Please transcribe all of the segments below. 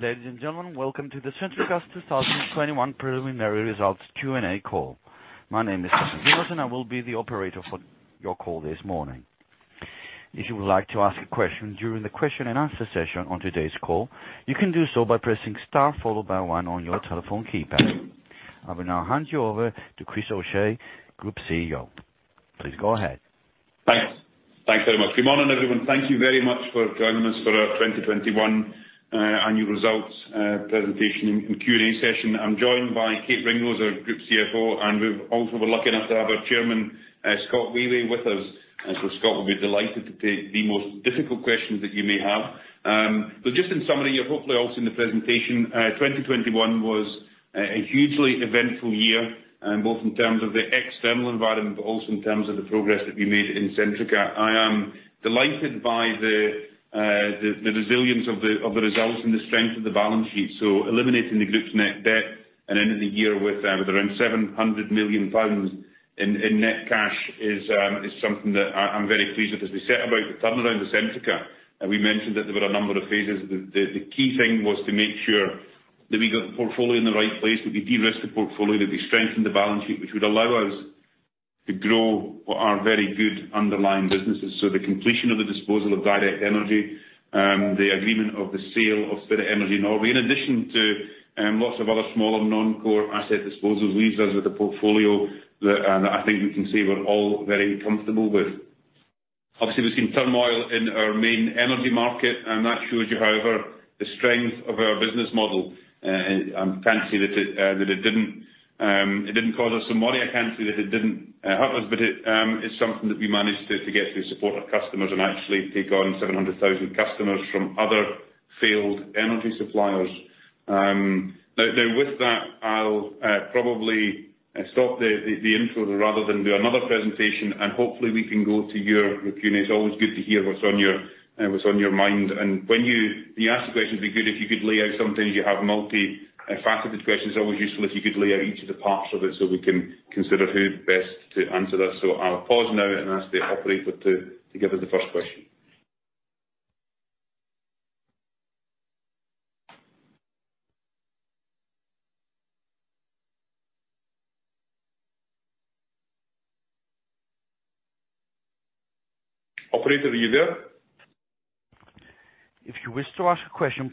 Ladies and gentlemen, welcome to Centrica's 2021 preliminary results Q&A call. My name is and I will be the operator for your call this morning. If you would like to ask a question during the question and answer session on today's call, you can do so by pressing star followed by one on your telephone keypad. I will now hand you over to Chris O'Shea, Group CEO. Please go ahead. Thanks. Thanks very much. Good morning, everyone. Thank you very much for joining us for our 2021 annual results presentation and Q&A session. I'm joined by Kate Ringrose, our Group CFO, and we're lucky enough to have our Chairman, Scott Wheway with us. Scott will be delighted to take the most difficult questions that you may have. Just in summary, hopefully also in the presentation, 2021 was a hugely eventful year, both in terms of the external environment, but also in terms of the progress that we made in Centrica. I am delighted by the resilience of the results and the strength of the balance sheet. Eliminating the group's net debt and ending the year with around 700 million pounds in net cash is something that I'm very pleased with. As we set about the turnaround of Centrica, and we mentioned that there were a number of phases. The key thing was to make sure that we got the portfolio in the right place, that we de-risk the portfolio, that we strengthen the balance sheet, which would allow us to grow our very good underlying businesses. The completion of the disposal of Direct Energy, the agreement of the sale of Spirit Energy Norway, in addition to lots of other smaller non-core asset disposals, leaves us with a portfolio that I think we can say we're all very comfortable with. Obviously, we've seen turmoil in our main energy market, and that shows you, however, the strength of our business model. I can't say that it didn't cause us some worry. I can't say that it didn't hurt us, but it's something that we managed to get through with the support of customers and actually take on 700,000 customers from other failed energy suppliers. Now with that, I'll probably stop the intro rather than do another presentation, and hopefully we can go to your Q&A. It's always good to hear what's on your mind. When you ask a question, it'd be good if you could lay it out. Sometimes you have multi-faceted questions. It's always useful if you could lay out each of the parts of it, so we can consider who best to answer that. I'll pause now and ask the operator to give us the first question. Operator, are you there? The first question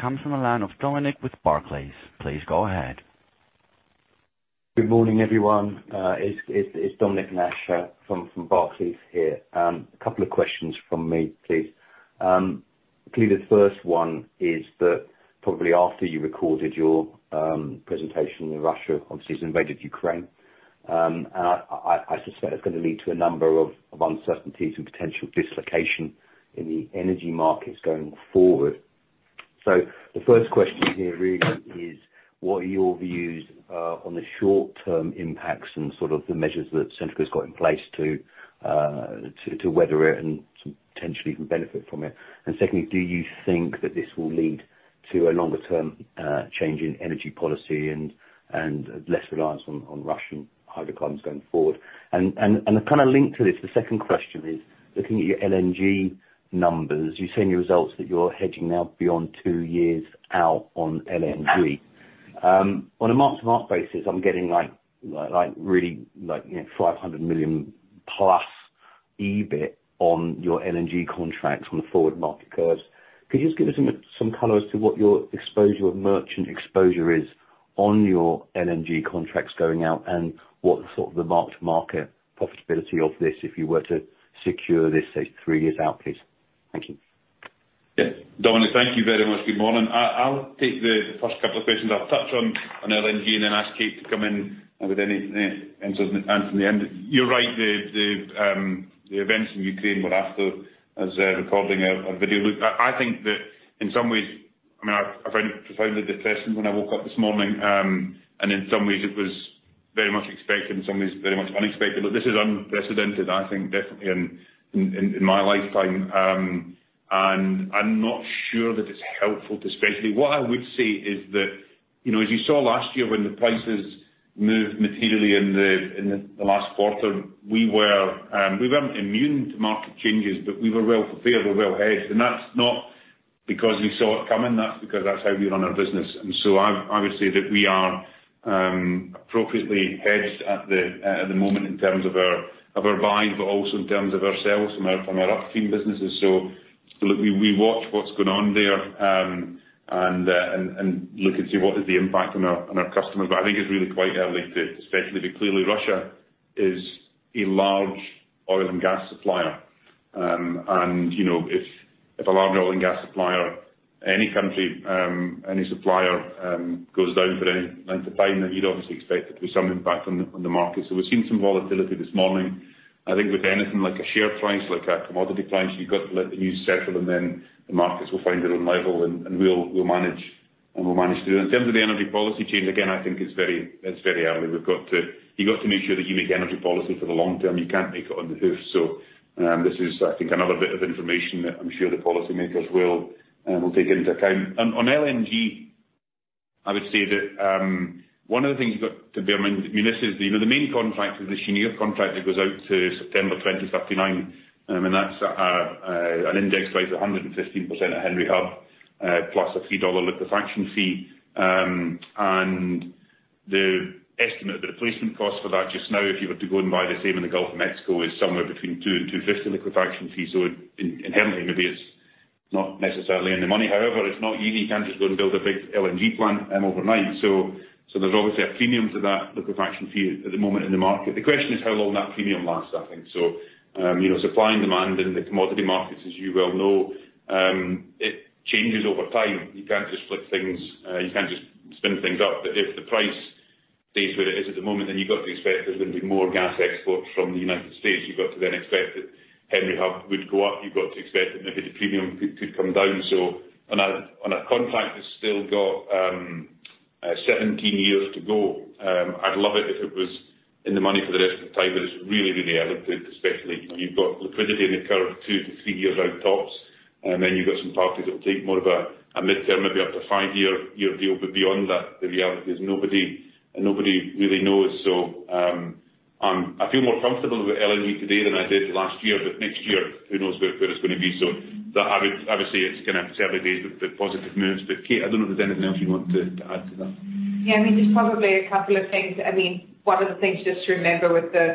comes from the line of Dominic Nash with Barclays. Please go ahead. Good morning, everyone. It's Dominic Nash from Barclays here. A couple of questions from me, please. Clearly, the first one is that probably after you recorded your presentation, Russia obviously has invaded Ukraine. I suspect it's gonna lead to a number of uncertainties and potential dislocation in the energy markets going forward. The first question here really is what are your views on the short-term impacts and sort of the measures that Centrica's got in place to weather it and potentially even benefit from it? Secondly, do you think that this will lead to a longer-term change in energy policy and less reliance on Russian hydrocarbons going forward? I kinda link to this. The second question is, looking at your LNG numbers, you say in your results that you're hedging now beyond two years out on LNG. On a mark-to-market basis, I'm getting like really, you know, 500 million plus EBIT on your LNG contracts on the forward market curves. Could you just give us some color as to what your merchant exposure is on your LNG contracts going out and what sort of the mark-to-market profitability of this if you were to secure this, say, three years out, please? Thank you. Yeah. Dominic, thank you very much. Good morning. I'll take the first couple of questions. I'll touch on LNG and then ask Kate to come in with any answers at the end. You're right. The events in Ukraine were after us recording a video. Look, I think that in some ways I mean, I found it profoundly depressing when I woke up this morning, and in some ways it was very much expected, in some ways very much unexpected. This is unprecedented, I think, definitely in my lifetime. I'm not sure that it's helpful to speculate. What I would say is that, you know, as you saw last year when the prices moved materially in the last quarter, we weren't immune to market changes, but we were well prepared. We were well hedged. That's not because we saw it coming. That's because that's how we run our business. I would say that we are appropriately hedged at the moment in terms of our buy, but also in terms of our sales from our upstream businesses. We watch what's going on there and look and see what is the impact on our customers. I think it's really quite early to speculate. Clearly Russia is a large oil and gas supplier. You know, if a large oil and gas supplier, any country, any supplier, goes down for any length of time, then you'd obviously expect there to be some impact on the market. We've seen some volatility this morning. I think with anything like a share price, like a commodity price, you've got to let the news settle and then the markets will find their own level, and we'll manage through. In terms of the energy policy change, again, I think it's very early. You've got to make sure that you make energy policy for the long term. You can't make it on the hoof. This is, I think, another bit of information that I'm sure the policymakers will take into account. On LNG, I would say that one of the things you've got to bear in mind, I mean, this is the, you know, the main contract is the Cheniere contract that goes out to September 2039. That's at an index price of 115% at Henry Hub plus a $3 liquefaction fee. The estimate of the replacement cost for that just now if you were to go and buy the same in the Gulf of Mexico is somewhere between $2-$2.50 liquefaction fee. Inherently, maybe it's not necessarily in the money. However, it's not easy. You can't just go and build a big LNG plant overnight. So there's obviously a premium to that liquefaction fee at the moment in the market. The question is how long that premium lasts, I think. So you know, supply and demand in the commodity markets, as you well know, it changes over time. You can't just flip things. You can't just spin things up. If the price stays where it is at the moment, then you've got to expect there's gonna be more gas exports from the United States. You've got to then expect that Henry Hub would go up. You've got to expect that maybe the premium could come down. On a contract that's still got 17 years to go, I'd love it if it was in the money for the rest of the time, but it's really early. Especially when you've got liquidity in the curve of two-three years out, tops. You've got some parties that will take more of a midterm, maybe up to five-year deal. Beyond that, the reality is nobody really knows. I feel more comfortable with LNG today than I did last year. Next year, who knows where it's gonna be? That I would say it's kinda early days with the positive moves. Kate, I don't know if there's anything else you want to add to that. Yeah, I mean, there's probably a couple of things. I mean, one of the things just to remember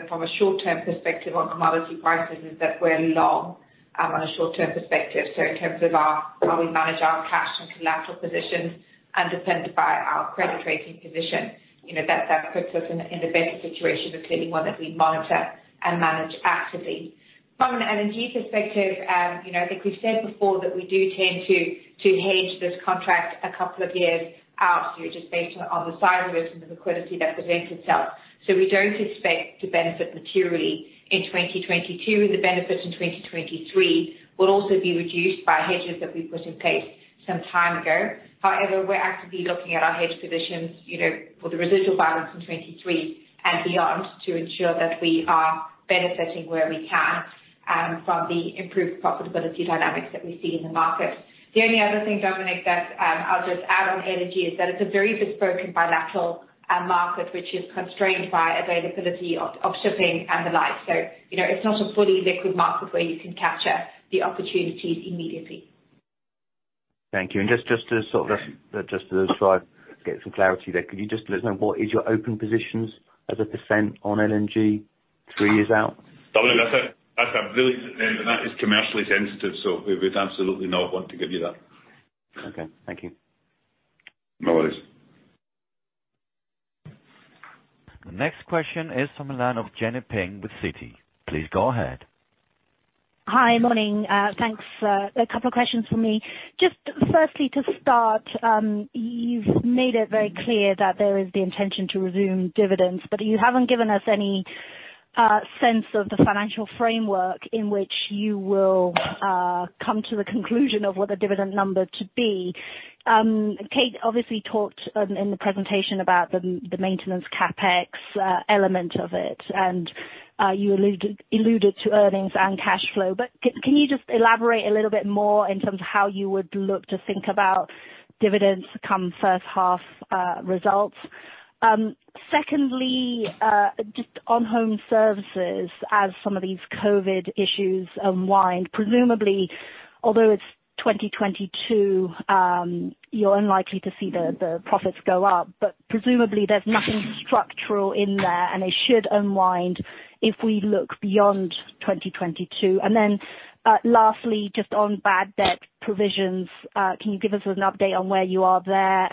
from a short-term perspective on commodity prices is that we're long on a short-term perspective. So in terms of how we manage our cash and collateral positions and defended by our credit rating position, you know, that puts us in a better situation, but clearly one that we monitor and manage actively. From an energy perspective, you know, I think we've said before that we do tend to hedge this contract a couple of years out, just based on the size of it and the liquidity that presents itself. So we don't expect to benefit materially in 2022. The benefit in 2023 will also be reduced by hedges that we put in place some time ago. However, we're actively looking at our hedge positions, you know, for the residual balance in 2023 and beyond to ensure that we are benefiting where we can from the improved profitability dynamics that we see in the market. The only other thing, Dominic, that I'll just add on energy is that it's a very bespoke and bilateral market, which is constrained by availability of shipping and the like. You know, it's not a fully liquid market where you can capture the opportunities immediately. Thank you. Just to sort of try to get some clarity there, could you just let us know what is your open positions as a percent on LNG three years out? Dominic, that is commercially sensitive, so we would absolutely not want to give you that. Okay. Thank you. No worries. The next question is from the line of Jenny Ping with Citi. Please go ahead. Hi. Morning. Thanks. A couple of questions from me. Just firstly to start, you've made it very clear that there is the intention to resume dividends, but you haven't given us any sense of the financial framework in which you will come to the conclusion of what the dividend number to be. Kate obviously talked in the presentation about the maintenance CapEx element of it, and you alluded to earnings and cash flow. But can you just elaborate a little bit more in terms of how you would look to think about dividends come first half results? Secondly, just on Home Solutions, as some of these COVID issues unwind, presumably although it's 2022, you're unlikely to see the profits go up. Presumably there's nothing structural in there, and it should unwind if we look beyond 2022. Lastly, just on bad debt provisions, can you give us an update on where you are there?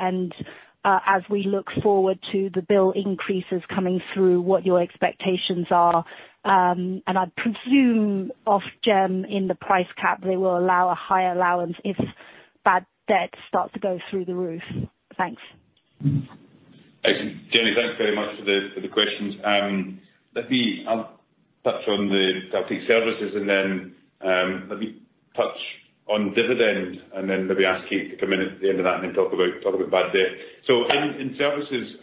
As we look forward to the bill increases coming through, what your expectations are? I'd presume Ofgem in the price cap, they will allow a higher allowance if bad debts start to go through the roof. Thanks. Thanks. Jenny, thanks very much for the questions. I'll take services and then let me touch on dividend and then maybe ask Kate to come in at the end of that and then talk about bad debt. In services,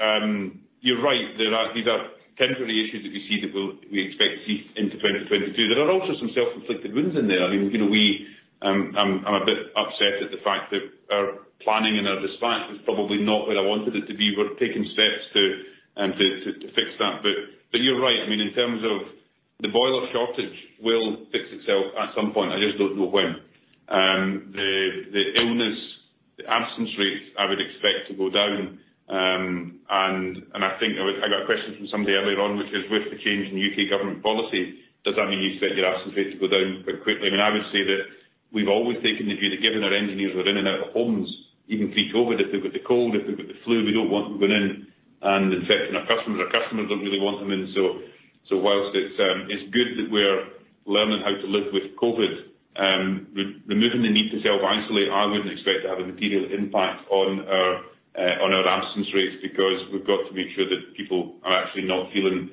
you're right. These are temporary issues that we expect to see into 2022. There are also some self-inflicted wounds in there. I mean, you know, we, I'm a bit upset at the fact that our planning and our dispatch was probably not where I wanted it to be. We're taking steps to fix that. But you're right. I mean, in terms of the boiler shortage will fix itself at some point. I just don't know when. The illness absence rates I would expect to go down. I think I got a question from somebody earlier on, which is with the change in U.K. government policy, does that mean you expect your absence rate to go down quite quickly? I mean, I would say that we've always taken the view that given our engineers are in and out of homes, even pre-COVID, if they've got the cold, if they've got the flu, we don't want them going in and infecting our customers. Our customers don't really want them in. While it's good that we're learning how to live with COVID, removing the need to self-isolate, I wouldn't expect to have a material impact on our absence rates, because we've got to make sure that people are actually not feeling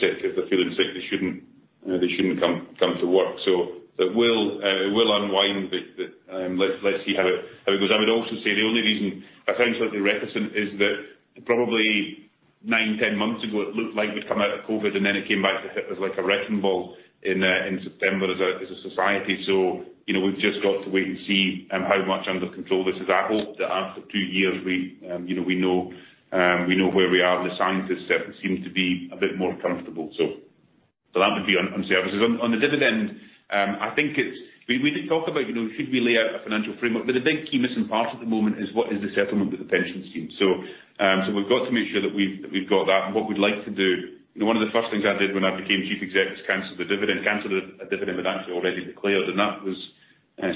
sick. If they're feeling sick, they shouldn't come to work. It will unwind, but let's see how it goes. I would also say the only reason I sound slightly reticent is that probably 9-10 months ago, it looked like we'd come out of COVID, and then it came back to hit us like a wrecking ball in September as a society. You know, we've just got to wait and see how much under control this is. I hope that after two years we know where we are. The scientists certainly seem to be a bit more comfortable. That would be on services. On the dividend, I think it's. We did talk about, you know, should we lay out a financial framework? The big key missing part at the moment is what is the settlement of the pension scheme. We've got to make sure that we've got that. What we'd like to do, you know, one of the first things I did when I became Chief Executive was cancel the dividend we'd actually already declared, and that was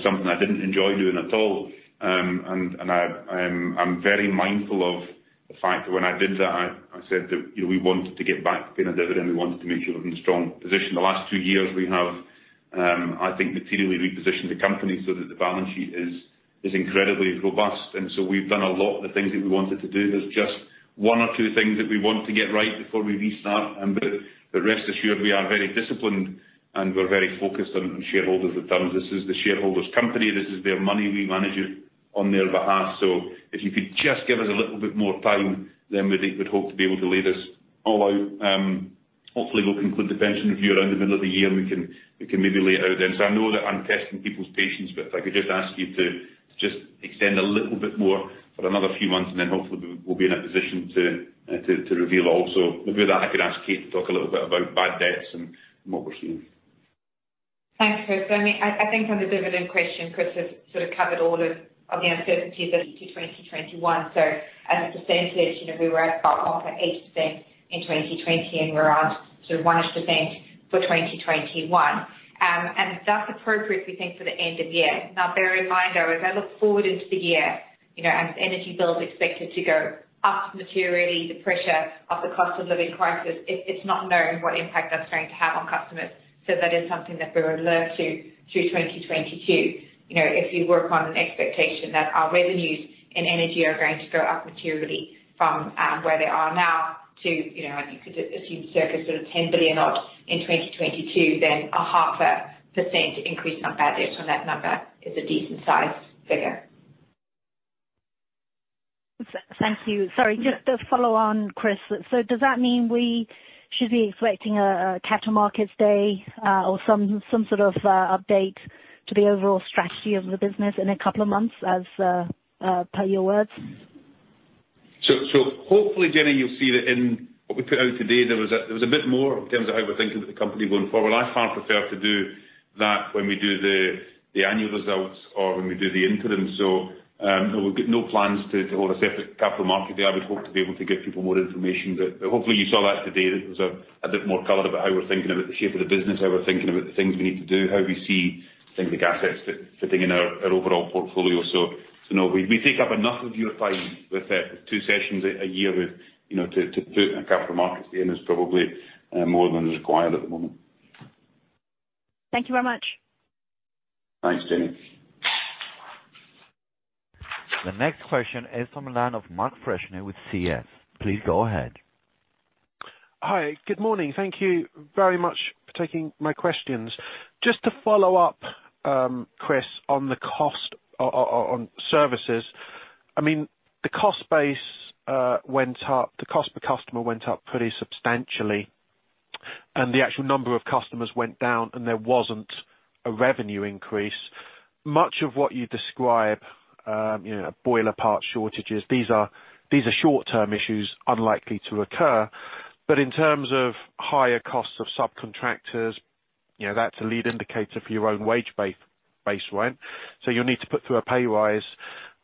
something I didn't enjoy doing at all. I'm very mindful of the fact that when I did that, I said that, you know, we wanted to give back paying a dividend. We wanted to make sure we're in a strong position. The last two years we have, I think materially repositioned the company so that the balance sheet is incredibly robust. We've done a lot of the things that we wanted to do. There's just one or two things that we want to get right before we restart. Rest assured we are very disciplined, and we're very focused on shareholders returns. This is the shareholders' company. This is their money. We manage it on their behalf. If you could just give us a little bit more time, then we'd hope to be able to lay this all out. Hopefully we'll conclude the pension review around the middle of the year, and we can maybe lay it out then. I know that I'm testing people's patience, but if I could just ask you to just extend a little bit more for another few months, and then hopefully we'll be in a position to reveal it all. Maybe with that I could ask Kate to talk a little bit about bad debts and what we're seeing. Thanks, Chris. I mean, I think on the dividend question, Chris has sort of covered all of the uncertainties into 2021. As I just said today, you know, we were at about 8% in 2020, and we're on sort of 1-ish % for 2021. And that's appropriate, we think, for the end of year. Now bear in mind, though, as I look forward into the year, you know, as energy bills are expected to go up materially, the pressure of the cost of living crisis, it's not known what impact that's going to have on customers. That is something that we're alert to through 2022. You know, if we work on an expectation that our revenues in energy are going to go up materially from where they are now to, you know, and you could assume circa sort of 10 billion odd in 2022, then a 0.5% increase in our bad debts on that number is a decent sized figure. Thank you. Sorry, just to follow on, Chris. Does that mean we should be expecting a capital markets day, or some sort of update to the overall strategy of the business in a couple of months as per your words? Hopefully, Jenny, you'll see that in what we put out today, there was a bit more in terms of how we're thinking about the company going forward. I far prefer to do that when we do the annual results or when we do the interim. There were no plans to hold a separate capital market day. I would hope to be able to give people more information. Hopefully you saw that today, that there was a bit more color about how we're thinking about the shape of the business, how we're thinking about the things we need to do, how we see things like assets fitting in our overall portfolio. No, we take up enough of your time with two sessions a year. We've, you know, to put a Capital Markets Day in is probably more than is required at the moment. Thank you very much. Thanks, Jenny. The next question is from the line of Mark Freshney with CS. Please go ahead. Hi. Good morning. Thank you very much for taking my questions. Just to follow up, Chris, on the cost on services. I mean, the cost base went up, the cost per customer went up pretty substantially, and the actual number of customers went down and there wasn't a revenue increase. Much of what you describe, you know, boiler part shortages, these are short-term issues unlikely to occur. But in terms of higher costs of subcontractors, you know, that's a lead indicator for your own wage base rent. So you'll need to put through a pay raise,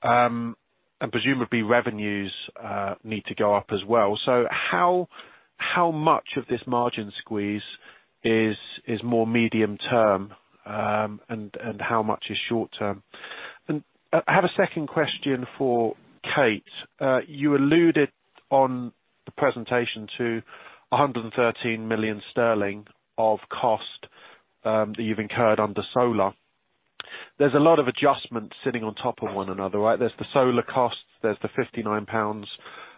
and presumably revenues need to go up as well. So how much of this margin squeeze is more medium term, and how much is short term? And I have a second question for Kate. You alluded on the presentation to 113 million sterling of cost that you've incurred under SoLR. There's a lot of adjustments sitting on top of one another, right? There's the SoLR costs, there's the 59 pounds,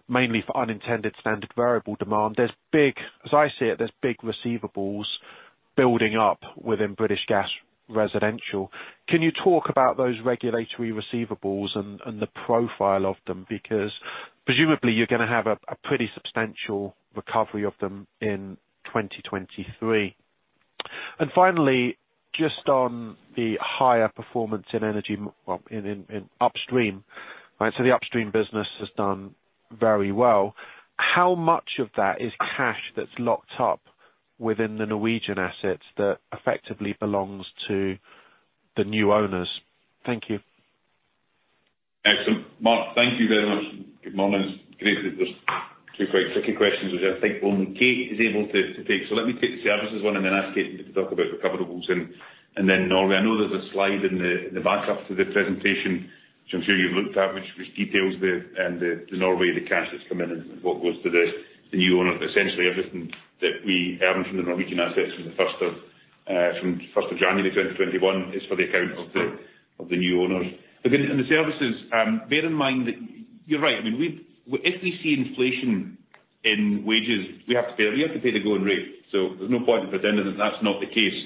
mainly for unintended standard variable demand. There's big, as I see it, receivables building up within British Gas Residential. Can you talk about those regulatory receivables and the profile of them? Because presumably you're gonna have a pretty substantial recovery of them in 2023. Finally, just on the higher performance in energy, in upstream, right? The upstream business has done very well. How much of that is cash that's locked up within the Norwegian assets that effectively belongs to the new owners? Thank you. Excellent. Mark, thank you very much. Good morning. It's great that there's two quite tricky questions which I think only Kate is able to take. Let me take the services one and then ask Kate to talk about recoverables and then Norway. I know there's a slide in the backup to the presentation. I'm sure you've looked at which details the Norway, the cash that's come in and what was to the new owner. Essentially everything that we earn from the Norwegian assets from the first of January 2021 is for the account of the new owners. Look in the services, bear in mind that you're right. I mean, if we see inflation in wages, we have to pay the going rate, so there's no point in pretending that that's not the case.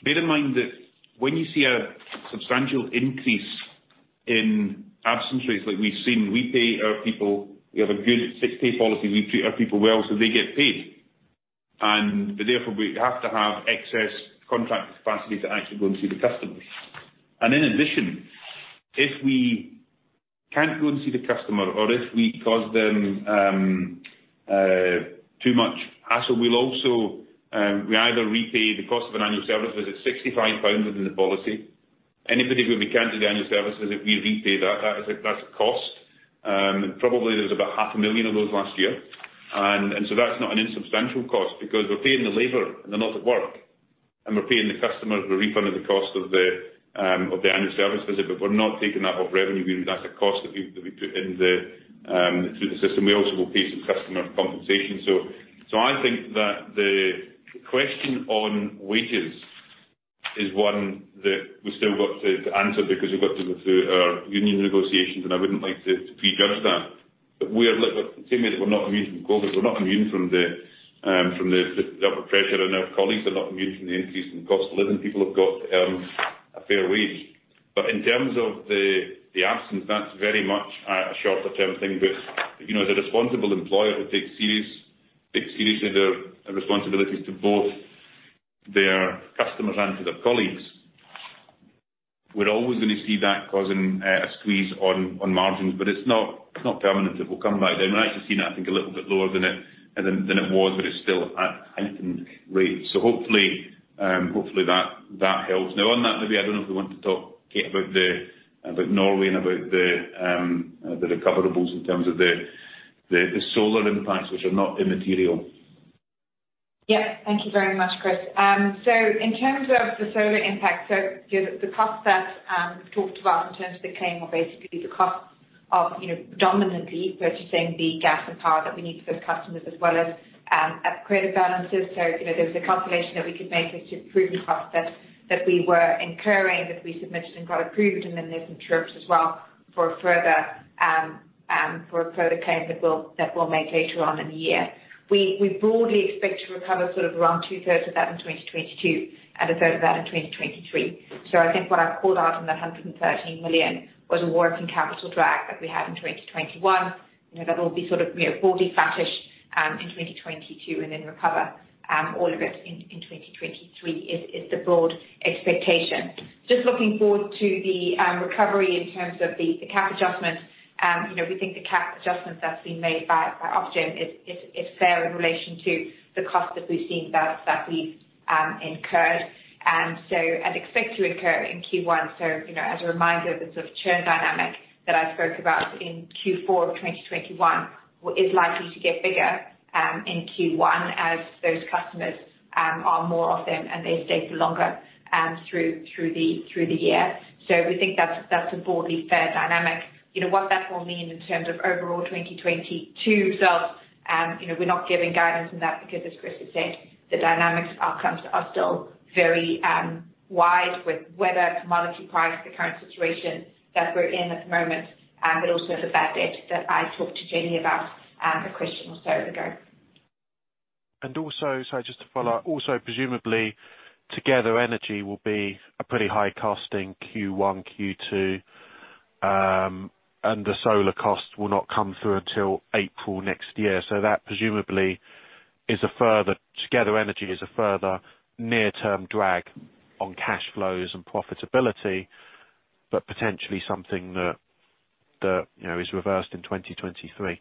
Bear in mind that when you see a substantial increase in absence rates like we've seen, we pay our people. We have a good sick pay policy. We treat our people well, so they get paid. Therefore, we have to have excess contract capacity to actually go and see the customers. In addition, if we can't go and see the customer or if we cause them too much hassle, we'll also either repay the cost of an annual service visit, 65 pounds within the policy. Anybody who we can't do the annual services, we repay that. That's a cost. Probably there was about half a million of those last year. That's not an insubstantial cost because we're paying the labor, and they're not at work, and we're paying the customers, we're refunding the cost of the annual service visit, but we're not taking that off revenue. That's a cost that we put in the through the system. We also will pay some customer compensation. I think that the question on wages is one that we've still got to answer because we've got to go through our union negotiations, and I wouldn't like to prejudge that. We are a little bit. Same way that we're not immune from COVID, we're not immune from the upward pressure, and our colleagues are not immune from the increase in cost of living. People have got to earn a fair wage. In terms of the absence, that's very much a shorter-term thing. You know, as a responsible employer who takes seriously their responsibilities to both their customers and to their colleagues, we're always gonna see that causing a squeeze on margins. It's not permanent. It will come back down. We're actually seeing, I think, a little bit lower than it was, but it's still at heightened rates. Hopefully that helps. On that, maybe I don't know if we want to talk, Kate, about Norway and about the recoverables in terms of the SoLR impacts, which are not immaterial. Yeah. Thank you very much, Chris. In terms of the SoLR impact, given the cost that we've talked about in terms of the claim, or basically the cost of, you know, predominantly purchasing the gas and power that we need for those customers as well as credit balances. There was a calculation that we could make to prove the costs that we were incurring, that we submitted and got approved, and then there's some top-ups as well for a further claim that we'll make later on in the year. We broadly expect to recover sort of around two-thirds of that in 2022 and a third of that in 2023. I think what I've called out in that 113 million was a working capital drag that we had in 2021. You know, that'll be sort of, you know, broadly flatish in 2022 and then recover all of it in 2023 is the broad expectation. Just looking forward to the recovery in terms of the cap adjustment, you know, we think the cap adjustments that have been made by Ofgem is fair in relation to the cost that we've seen that we've incurred, and so we expect to incur in Q1. You know, as a reminder of the sort of churn dynamic that I spoke about in Q4 of 2021 is likely to get bigger in Q1 as those customers are more of them and they stay for longer through the year. We think that's a broadly fair dynamic. You know, what that will mean in terms of overall 2022 results, you know, we're not giving guidance on that because as Chris has said, the dynamics outcomes are still very wide with weather, commodity price, the current situation that we're in at the moment, but also the bad debt that I talked to Jenny about a question or so ago. Sorry, just to follow up. Also, presumably, Together Energy will be a pretty high costing Q1, Q2, and the SoLR costs will not come through until April next year. That presumably is a further, Together Energy is a further near-term drag on cash flows and profitability, but potentially something that you know is reversed in 2023.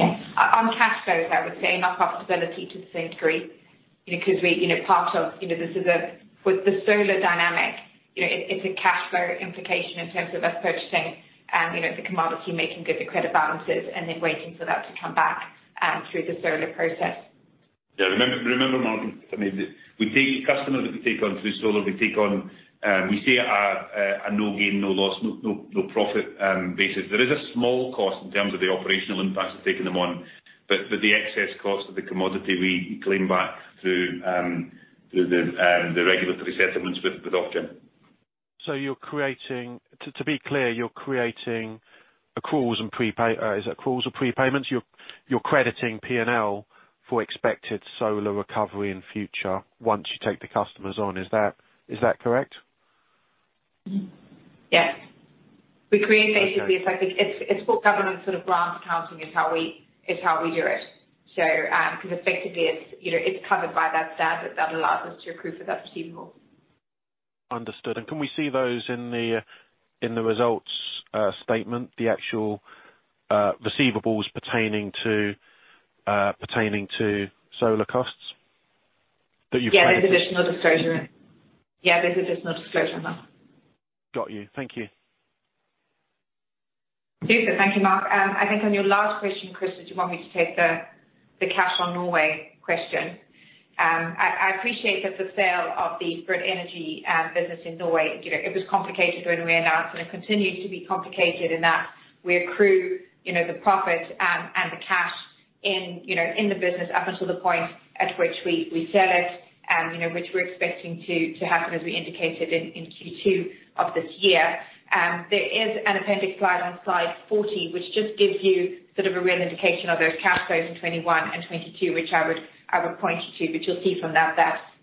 Yes. On cash flows, I would say, not profitability to the same degree. You know, because we, you know, part of, you know, this is with the SoLR dynamic, you know, it's a cash flow implication in terms of us purchasing, you know, the commodity, making good the credit balances and then waiting for that to come back, through the SoLR process. Yeah. Remember, Martin, for me, we take customers that we take on through SoLR, we see a no gain, no loss, no profit basis. There is a small cost in terms of the operational impact of taking them on, but the excess cost of the commodity we claim back through the regulatory settlements with Ofgem. To be clear, you're creating accruals and prepay. Is it accruals or prepayments? You're crediting P&L for expected SoLR recovery in future once you take the customers on. Is that correct? Yes. We create basically effective. Okay. It's full government sort of grants accounting is how we do it. 'Cause effectively it's, you know, it's covered by that standard that allows us to accrue for that receivable. Understood. Can we see those in the results statement, the actual receivables pertaining to SoLR costs that you've claimed? Yeah. There's additional disclosure. Yeah, there's additional disclosure on that. Got you. Thank you. Super. Thank you, Mark. I think on your last question, Chris, did you want me to take the cash on Norway question? I appreciate that the sale of the Spirit Energy business in Norway, you know, it was complicated when we announced, and it continues to be complicated in that we accrue, you know, the profit, and the cash in, you know, in the business up until the point at which we sell it. You know, which we're expecting to happen, as we indicated in Q2 of this year. There is an appendix slide on slide 40, which just gives you sort of a real indication of those cash flows in 2021 and 2022, which I would point you to. You'll see from that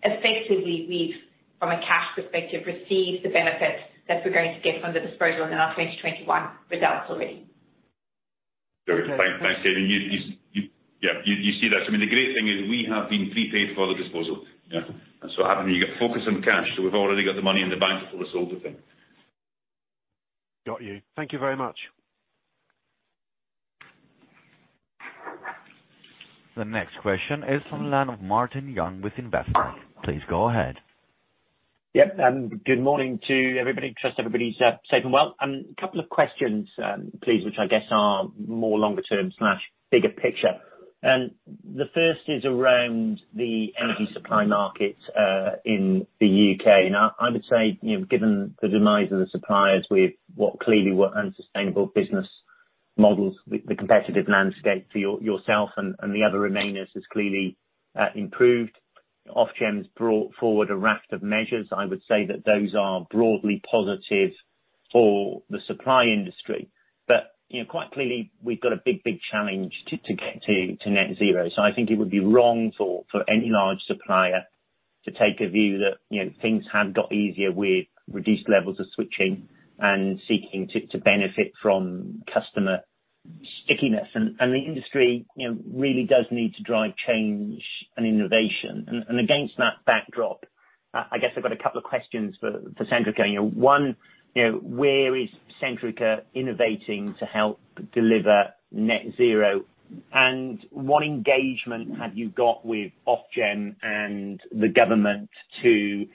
effectively we've, from a cash perspective, received the benefits that we're going to get from the disposal in our 2021 results already. Very well. Thanks, Katie. Yeah, you see that. I mean, the great thing is we have been prepaid for the disposal, yeah. That's what happened, you get focus on cash, so we've already got the money in the bank before we sold the thing. Got you. Thank you very much. The next question is from the line of Martin Young with Investec. Please go ahead. Yep, good morning to everybody. Trust everybody's safe and well. A couple of questions, please, which I guess are more longer-term/bigger picture. The first is around the energy supply markets in the U.K. Now, I would say, you know, given the demise of the suppliers with what clearly were unsustainable business models, the competitive landscape for yourself and the other remainers has clearly improved. Ofgem's brought forward a raft of measures. I would say that those are broadly positive for the supply industry. You know, quite clearly we've got a big challenge to get to net zero. I think it would be wrong for any large supplier to take a view that, you know, things have got easier with reduced levels of switching and seeking to benefit from customer stickiness. The industry, you know, really does need to drive change and innovation. Against that backdrop, I guess I've got a couple of questions for Centrica. You know, one, you know, where is Centrica innovating to help deliver net zero? What engagement have you got with Ofgem and the government to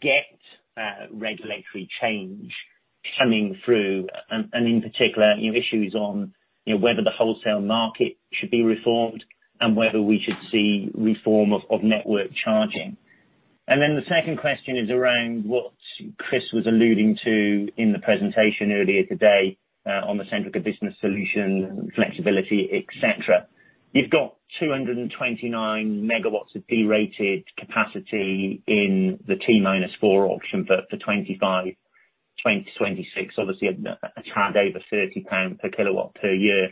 get regulatory change coming through? In particular, you know, issues on, you know, whether the wholesale market should be reformed and whether we should see reform of network charging. Then the second question is around what Chris was alluding to in the presentation earlier today, on the Centrica Business Solutions, flexibility, et cetera. You've got 229 MW of de-rated capacity in the T-4 auction for 2025, 2026. Obviously a tad over 30 pounds per kW per year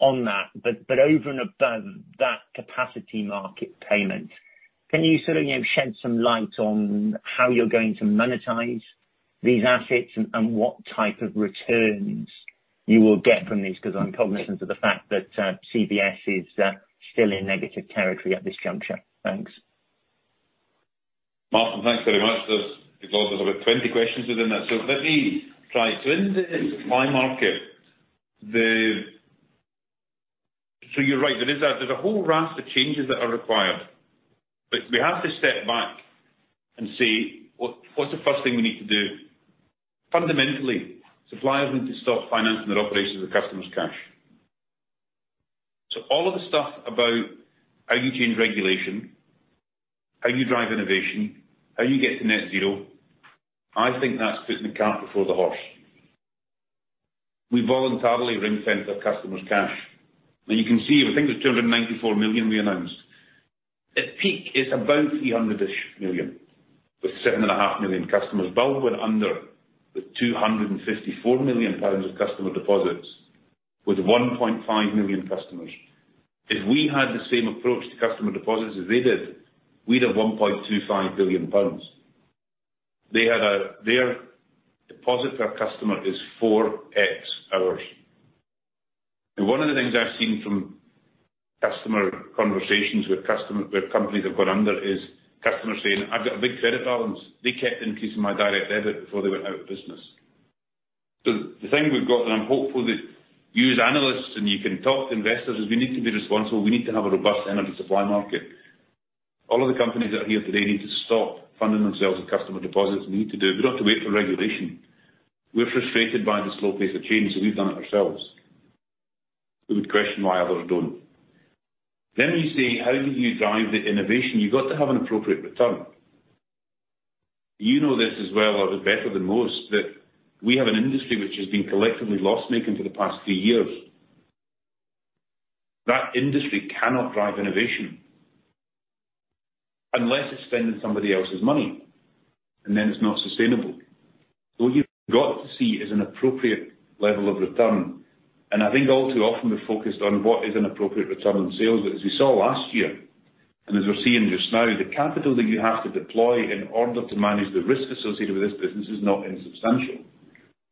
on that. Over and above that capacity market payment, can you sort of, you know, shed some light on how you're going to monetize these assets and what type of returns you will get from these? 'Cause I'm cognizant of the fact that CBS is still in negative territory at this juncture. Thanks. Martin, thanks very much. It feels there's about 20 questions within that. Let me try. In the supply market, you're right, there is a whole raft of changes that are required. We have to step back and see what's the first thing we need to do? Fundamentally, suppliers need to stop financing their operations with customers' cash. All of the stuff about how you change regulation, how you drive innovation, how you get to net zero, I think that's putting the cart before the horse. We voluntarily ring-fence our customers' cash. Now you can see, I think there's 294 million we announced. At peak it's about 300-ish million, with 7.5 million customers. Bulb went under with 254 million pounds of customer deposits, with 1.5 million customers. If we had the same approach to customer deposits as they did, we'd have 1.25 billion pounds. They had their deposit per customer is 4x ours. One of the things I've seen from customer conversations with companies that have gone under is customers saying, "I've got a big credit balance. They kept increasing my direct debit before they went out of business." The thing we've got, and I'm hopeful that you as analysts, and you can talk to investors, is we need to be responsible. We need to have a robust energy supply market. All of the companies that are here today need to stop funding themselves with customer deposits. We need to do. We don't have to wait for regulation. We're frustrated by the slow pace of change, so we've done it ourselves. We would question why others don't. You say, "How do you drive the innovation?" You've got to have an appropriate return. You know this as well or better than most, that we have an industry which has been collectively loss-making for the past three years. That industry cannot drive innovation unless it's spending somebody else's money, and then it's not sustainable. What you've got to see is an appropriate level of return. I think all too often we're focused on what is an appropriate return on sales. As we saw last year, and as we're seeing just now, the capital that you have to deploy in order to manage the risk associated with this business is not insubstantial.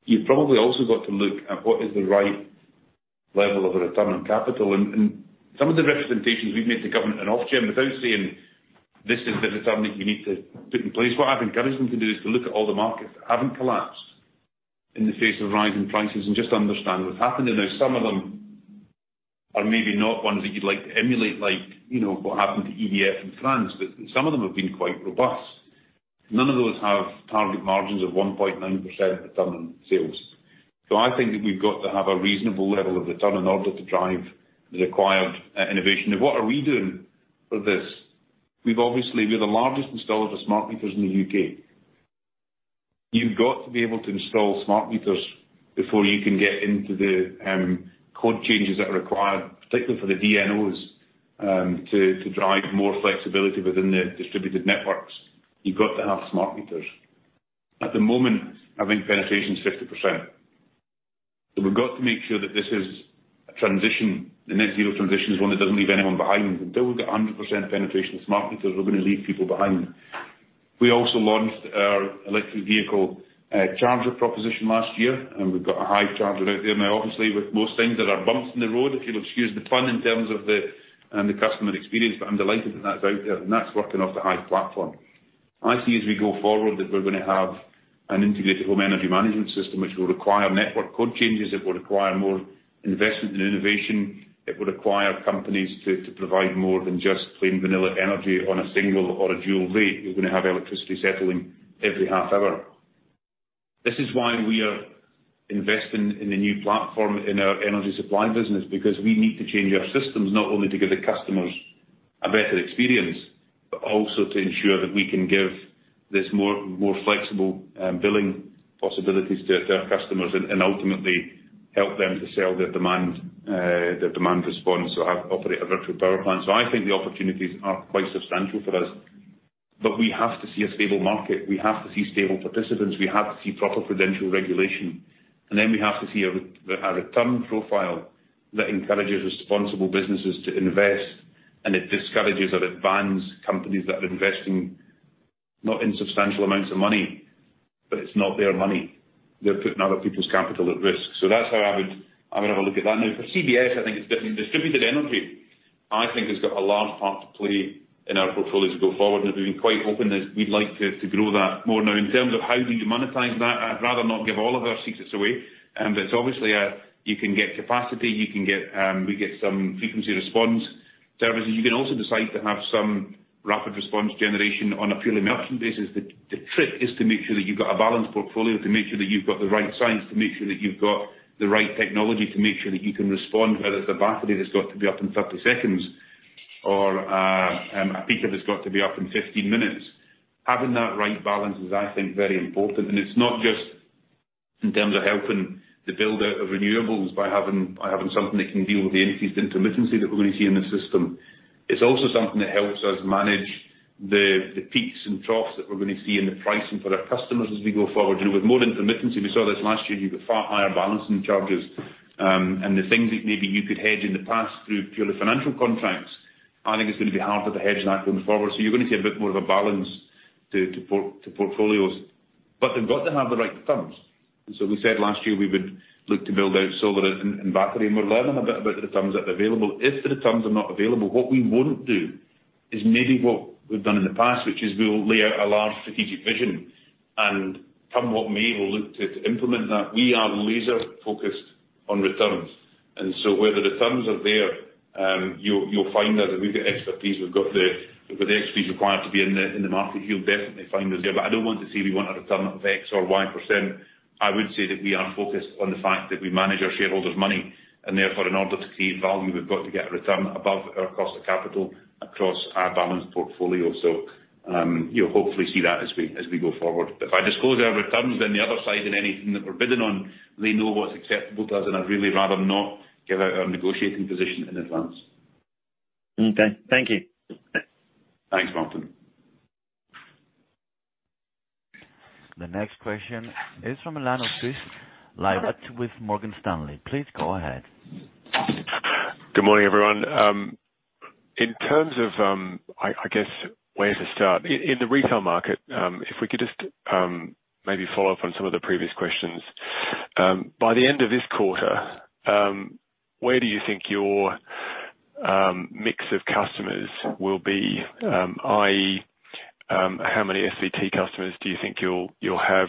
You've probably also got to look at what is the right level of a return on capital. Some of the representations we've made to government and Ofgem, without saying this is the return that you need to put in place, what I'd encourage them to do is to look at all the markets that haven't collapsed in the face of rising prices and just understand what's happened. There are some of them maybe not ones that you'd like to emulate like, you know, what happened to EDF in France, but some of them have been quite robust. None of those have target margins of 1.9% return on sales. I think that we've got to have a reasonable level of return in order to drive the required innovation. What are we doing for this? We're the largest installer of smart meters in the U.K. You've got to be able to install smart meters before you can get into the code changes that are required, particularly for the DNOs, to drive more flexibility within the distributed networks. You've got to have smart meters. At the moment, I think penetration is 50%. So we've got to make sure that this is a transition. The net zero transition is one that doesn't leave anyone behind. Until we get 100% penetration of smart meters, we're gonna leave people behind. We also launched our electric vehicle charger proposition last year, and we've got a Hive charger out there. Now, obviously, with most things, there are bumps in the road, if you'll excuse the pun, in terms of the customer experience, but I'm delighted that that's out there. That's working off the Hive platform. I see as we go forward that we're gonna have an integrated home energy management system, which will require network code changes. It will require more investment in innovation. It will require companies to provide more than just plain vanilla energy on a single or a dual rate. You're gonna have electricity settling every half hour. This is why we are investing in the new platform in our energy supply business, because we need to change our systems not only to give the customers a better experience, but also to ensure that we can give this more flexible billing possibilities to our customers and ultimately help them to sell their demand response or operate a virtual power plant. I think the opportunities are quite substantial for us. We have to see a stable market. We have to see stable participants. We have to see proper credible regulation. Then we have to see a return profile that encourages responsible businesses to invest, and it discourages or it bans companies that are investing not insubstantial amounts of money, but it's not their money. They're putting other people's capital at risk. That's how I would have a look at that. Now, for CBS, I think it's different. Distributed energy, I think has got a large part to play in our portfolio to go forward. We've been quite open that we'd like to grow that more. Now, in terms of how do you monetize that, I'd rather not give all of our secrets away. But obviously, you can get capacity, we get some frequency response services. You can also decide to have some rapid response generation on a purely merchant basis. The trick is to make sure that you've got a balanced portfolio, to make sure that you've got the right science, to make sure that you've got the right technology, to make sure that you can respond, whether it's a battery that's got to be up in 30 seconds or a peak that has got to be up in 15 minutes. Having that right balance is, I think, very important. It's not just in terms of helping to build out renewables by having something that can deal with the increased intermittency that we're gonna see in the system. It's also something that helps us manage the peaks and troughs that we're gonna see in the pricing for our customers as we go forward. You know, with more intermittency, we saw this last year, you've got far higher balancing charges. The things that maybe you could hedge in the past through purely financial contracts, I think it's gonna be harder to hedge that going forward. You're gonna see a bit more of a balance to portfolios. They've got to have the right returns. We said last year we would look to build out solar and battery, and we're learning a bit about the returns that are available. If the returns are not available, what we won't do is maybe what we've done in the past, which is we'll lay out a large strategic vision and come what may, we'll look to implement that. We are laser-focused on returns. Where the returns are there, you'll find that we've got the expertise required to be in the market. You'll definitely find us there. I don't want to say we want a return of X or Y%. I would say that we are focused on the fact that we manage our shareholders' money, and therefore, in order to create value, we've got to get a return above our cost of capital across our balanced portfolio. You'll hopefully see that as we go forward. If I disclose our returns, then the other side in anything that we're bidding on, they know what's acceptable to us, and I'd really rather not give out our negotiating position in advance. Okay. Thank you. Thanks, Martin. The next question is from Robert Pulleyn on the line with Morgan Stanley. Please go ahead. Good morning, everyone. In terms of, I guess, where to start? In the retail market, if we could just maybe follow up on some of the previous questions. By the end of this quarter, where do you think your mix of customers will be? i.e., how many SVT customers do you think you'll have,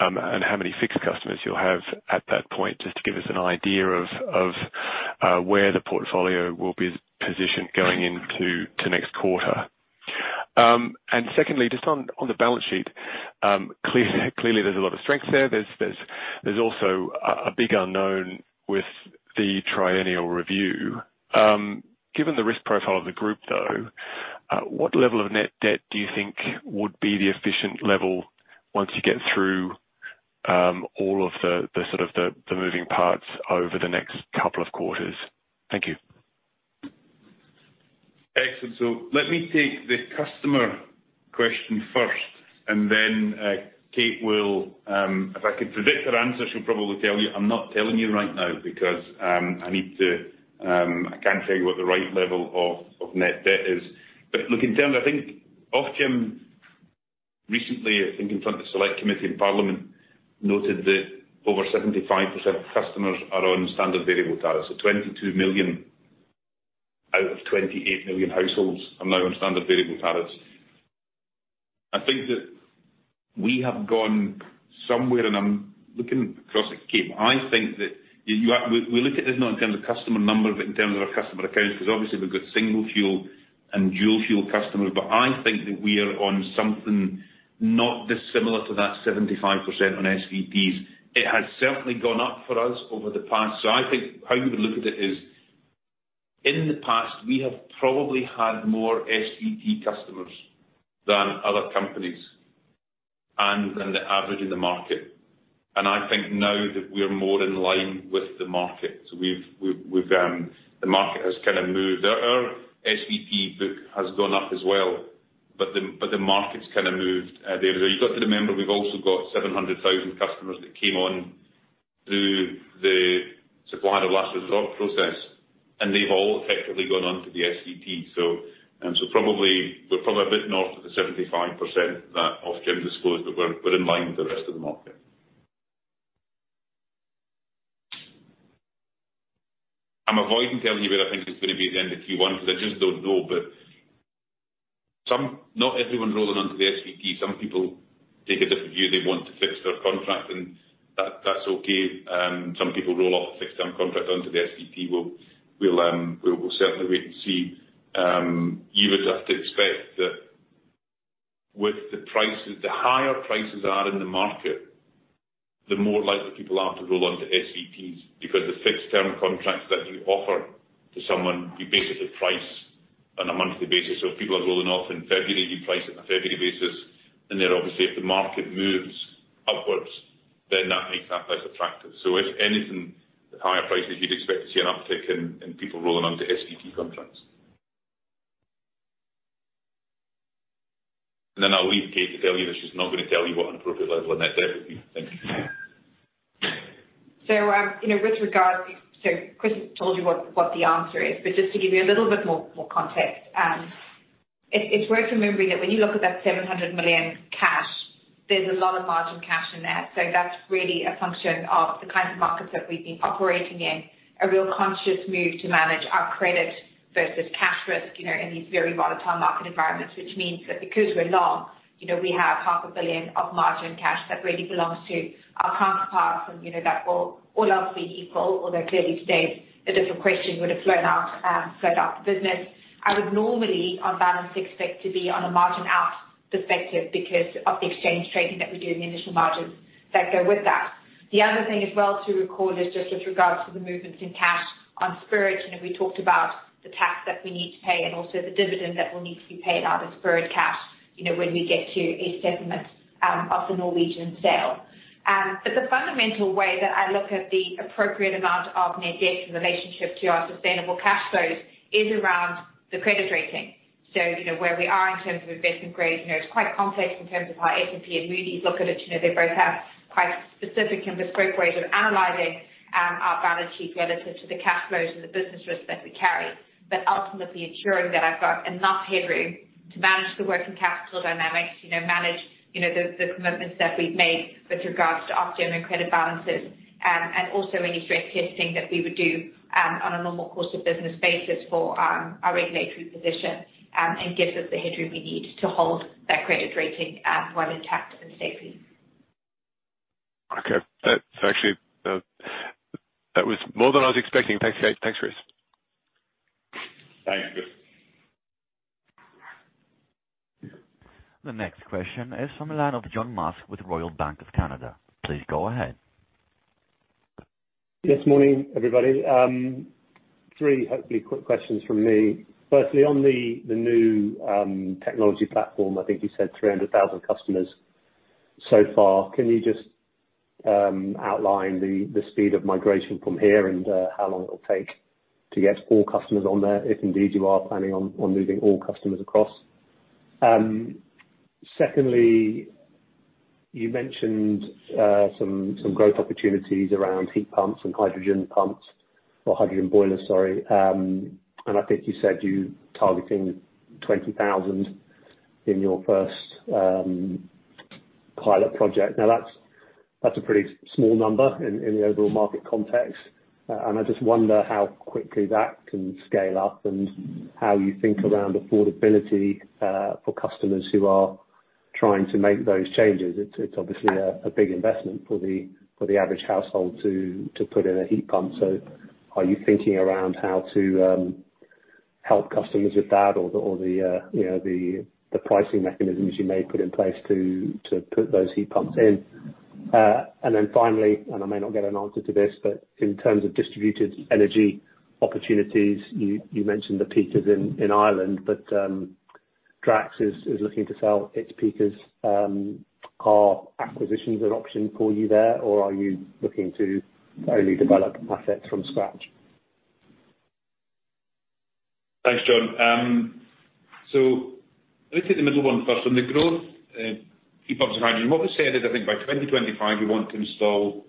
and how many fixed customers you'll have at that point, just to give us an idea of where the portfolio will be positioned going into next quarter? And secondly, just on the balance sheet, clearly there's a lot of strength there. There's also a big unknown with the triennial review. Given the risk profile of the group, though, what level of net debt do you think would be the efficient level once you get through all of the sort of moving parts over the next couple of quarters? Thank you. Excellent. Let me take the customer question first, and then Kate will, if I could predict her answer, she'll probably tell you, I'm not telling you right now because I need to, I can't tell you what the right level of net debt is. Look, in terms, I think Ofgem recently, I think in front of the select committee in Parliament, noted that over 75% of customers are on standard variable tariffs. 22 million out of 28 million households are now on standard variable tariffs. I think that we have gone somewhere and I'm looking across at Kate. I think that we look at this not in terms of customer numbers, but in terms of our customer accounts, 'cause obviously we've got single fuel and dual fuel customers. I think that we are on something not dissimilar to that 75% on SVT. It has certainly gone up for us over the past. I think how you would look at it is, in the past, we have probably had more SVT customers than other companies and than the average in the market. I think now that we are more in line with the market. The market has kinda moved. Our SVT book has gone up as well, but the market's kinda moved the other way. You've got to remember, we've also got 700,000 customers that came on through the supplier of last resort process, and they've all effectively gone on to the SVT. Probably we're a bit north of the 75% that Ofgem disclosed, but we're in line with the rest of the market. I'm avoiding telling you where I think it's gonna be at the end of Q1, 'cause I just don't know. Some not everyone rolling onto the SVT. Some people take a different view. They want to fix their contract, and that's okay. Some people roll off a fixed term contract onto the SVT. We'll certainly wait and see. You would have to expect that with the prices, the higher prices are in the market, the more likely people are to roll onto SVTs because the fixed term contracts that you offer to someone, you basically price on a monthly basis. If people are rolling off in February, you price it on a February basis. Obviously if the market moves upwards, then that makes that less attractive. If anything, the higher prices you'd expect to see an uptick in people rolling onto SVT contracts. I'll leave Kate to tell you, but she's not gonna tell you what an appropriate level of net debt would be. Thank you. Chris has told you what the answer is, but just to give you a little bit more context. It's worth remembering that when you look at that 700 million cash, there's a lot of margin cash in there. That's really a function of the kinds of markets that we've been operating in, a real conscious move to manage our credit versus cash risk, you know, in these very volatile market environments. Which means that because we're long, you know, we have half a billion GBP of margin cash that really belongs to our counterparties. You know, that all else being equal, although clearly to date, the dividend question would've flown out the business. I would normally on balance expect to be on a margin out perspective because of the exchange trading that we do and the initial margins that go with that. The other thing as well to recall is just with regards to the movements in cash on Spirit, you know, we talked about the tax that we need to pay and also the dividend that will need to be paid out of Spirit cash, you know, when we get to a settlement of the Norwegian sale. The fundamental way that I look at the appropriate amount of net debt in relationship to our sustainable cash flows is around the credit rating. You know, where we are in terms of investment grade, you know, it's quite complex in terms of how S&P and Moody's look at it. You know, they both have quite specific and bespoke ways of analyzing our balance sheet relative to the cash flows and the business risks that we carry. Ultimately ensuring that I've got enough headroom to manage the working capital dynamics, manage the commitments that we've made with regards to Ofgem credit balances. Also any stress testing that we would do on a normal course of business basis for our regulatory position. Gives us the headroom we need to hold that credit rating well intact and safely. Okay. That's actually, that was more than I was expecting. Thanks, Kate. Thanks, Chris. Thanks. The next question is from the line of John Musk with Royal Bank of Canada. Please go ahead. Yes, morning, everybody. Three hopefully quick questions from me. Firstly, on the new technology platform, I think you said 300,000 customers so far. Can you just outline the speed of migration from here and how long it'll take to get all customers on there, if indeed you are planning on moving all customers across? Secondly, you mentioned some growth opportunities around heat pumps and hydrogen pumps or hydrogen boilers, sorry. I think you said you're targeting 20,000 in your first pilot project. Now, that's a pretty small number in the overall market context. I just wonder how quickly that can scale up and how you think around affordability for customers who are trying to make those changes. It's obviously a big investment for the average household to put in a heat pump. Are you thinking around how to help customers with that or the, you know, the pricing mechanisms you may put in place to put those heat pumps in? Finally, I may not get an answer to this, but in terms of distributed energy opportunities, you mentioned the peakers in Ireland, but Drax is looking to sell its peakers. Are acquisitions an option for you there, or are you looking to only develop assets from scratch? Thanks, John. Let me take the middle one first on the growth, heat pumps and hydrogen. What we said is I think by 2025, we want to install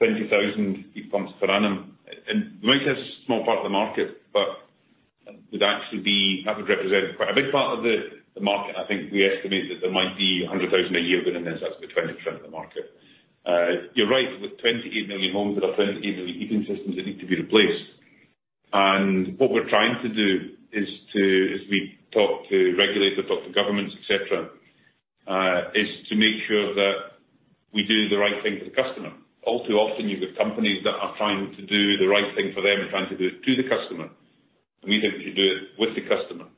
20,000 heat pumps per annum. We might say a small part of the market, but that would actually represent quite a big part of the market. I think we estimate that there might be 100,000 a year going in, as that's the 20% of the market. You're right, with 28 million homes, there are 28 million heating systems that need to be replaced. What we're trying to do is as we talk to regulators, we talk to governments, et cetera, is to make sure that we do the right thing for the customer. All too often you've got companies that are trying to do the right thing for them and trying to do it to the customer. We think we should do it with the customer.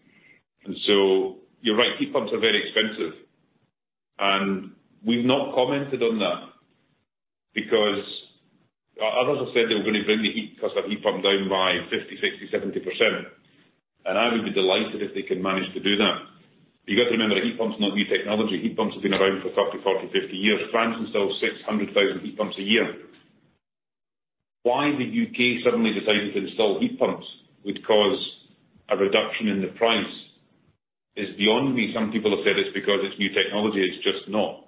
You're right, heat pumps are very expensive. We've not commented on that because others have said they were gonna bring the cost of heat pumps down by 50, 60, 70%. I would be delighted if they can manage to do that. You got to remember, heat pump is not new technology. Heat pumps have been around for 30, 40, 50 years. France installs 600,000 heat pumps a year. Why the U.K. suddenly decided to install heat pumps which cause a reduction in the price is beyond me. Some people have said it's because it's new technology, it's just not.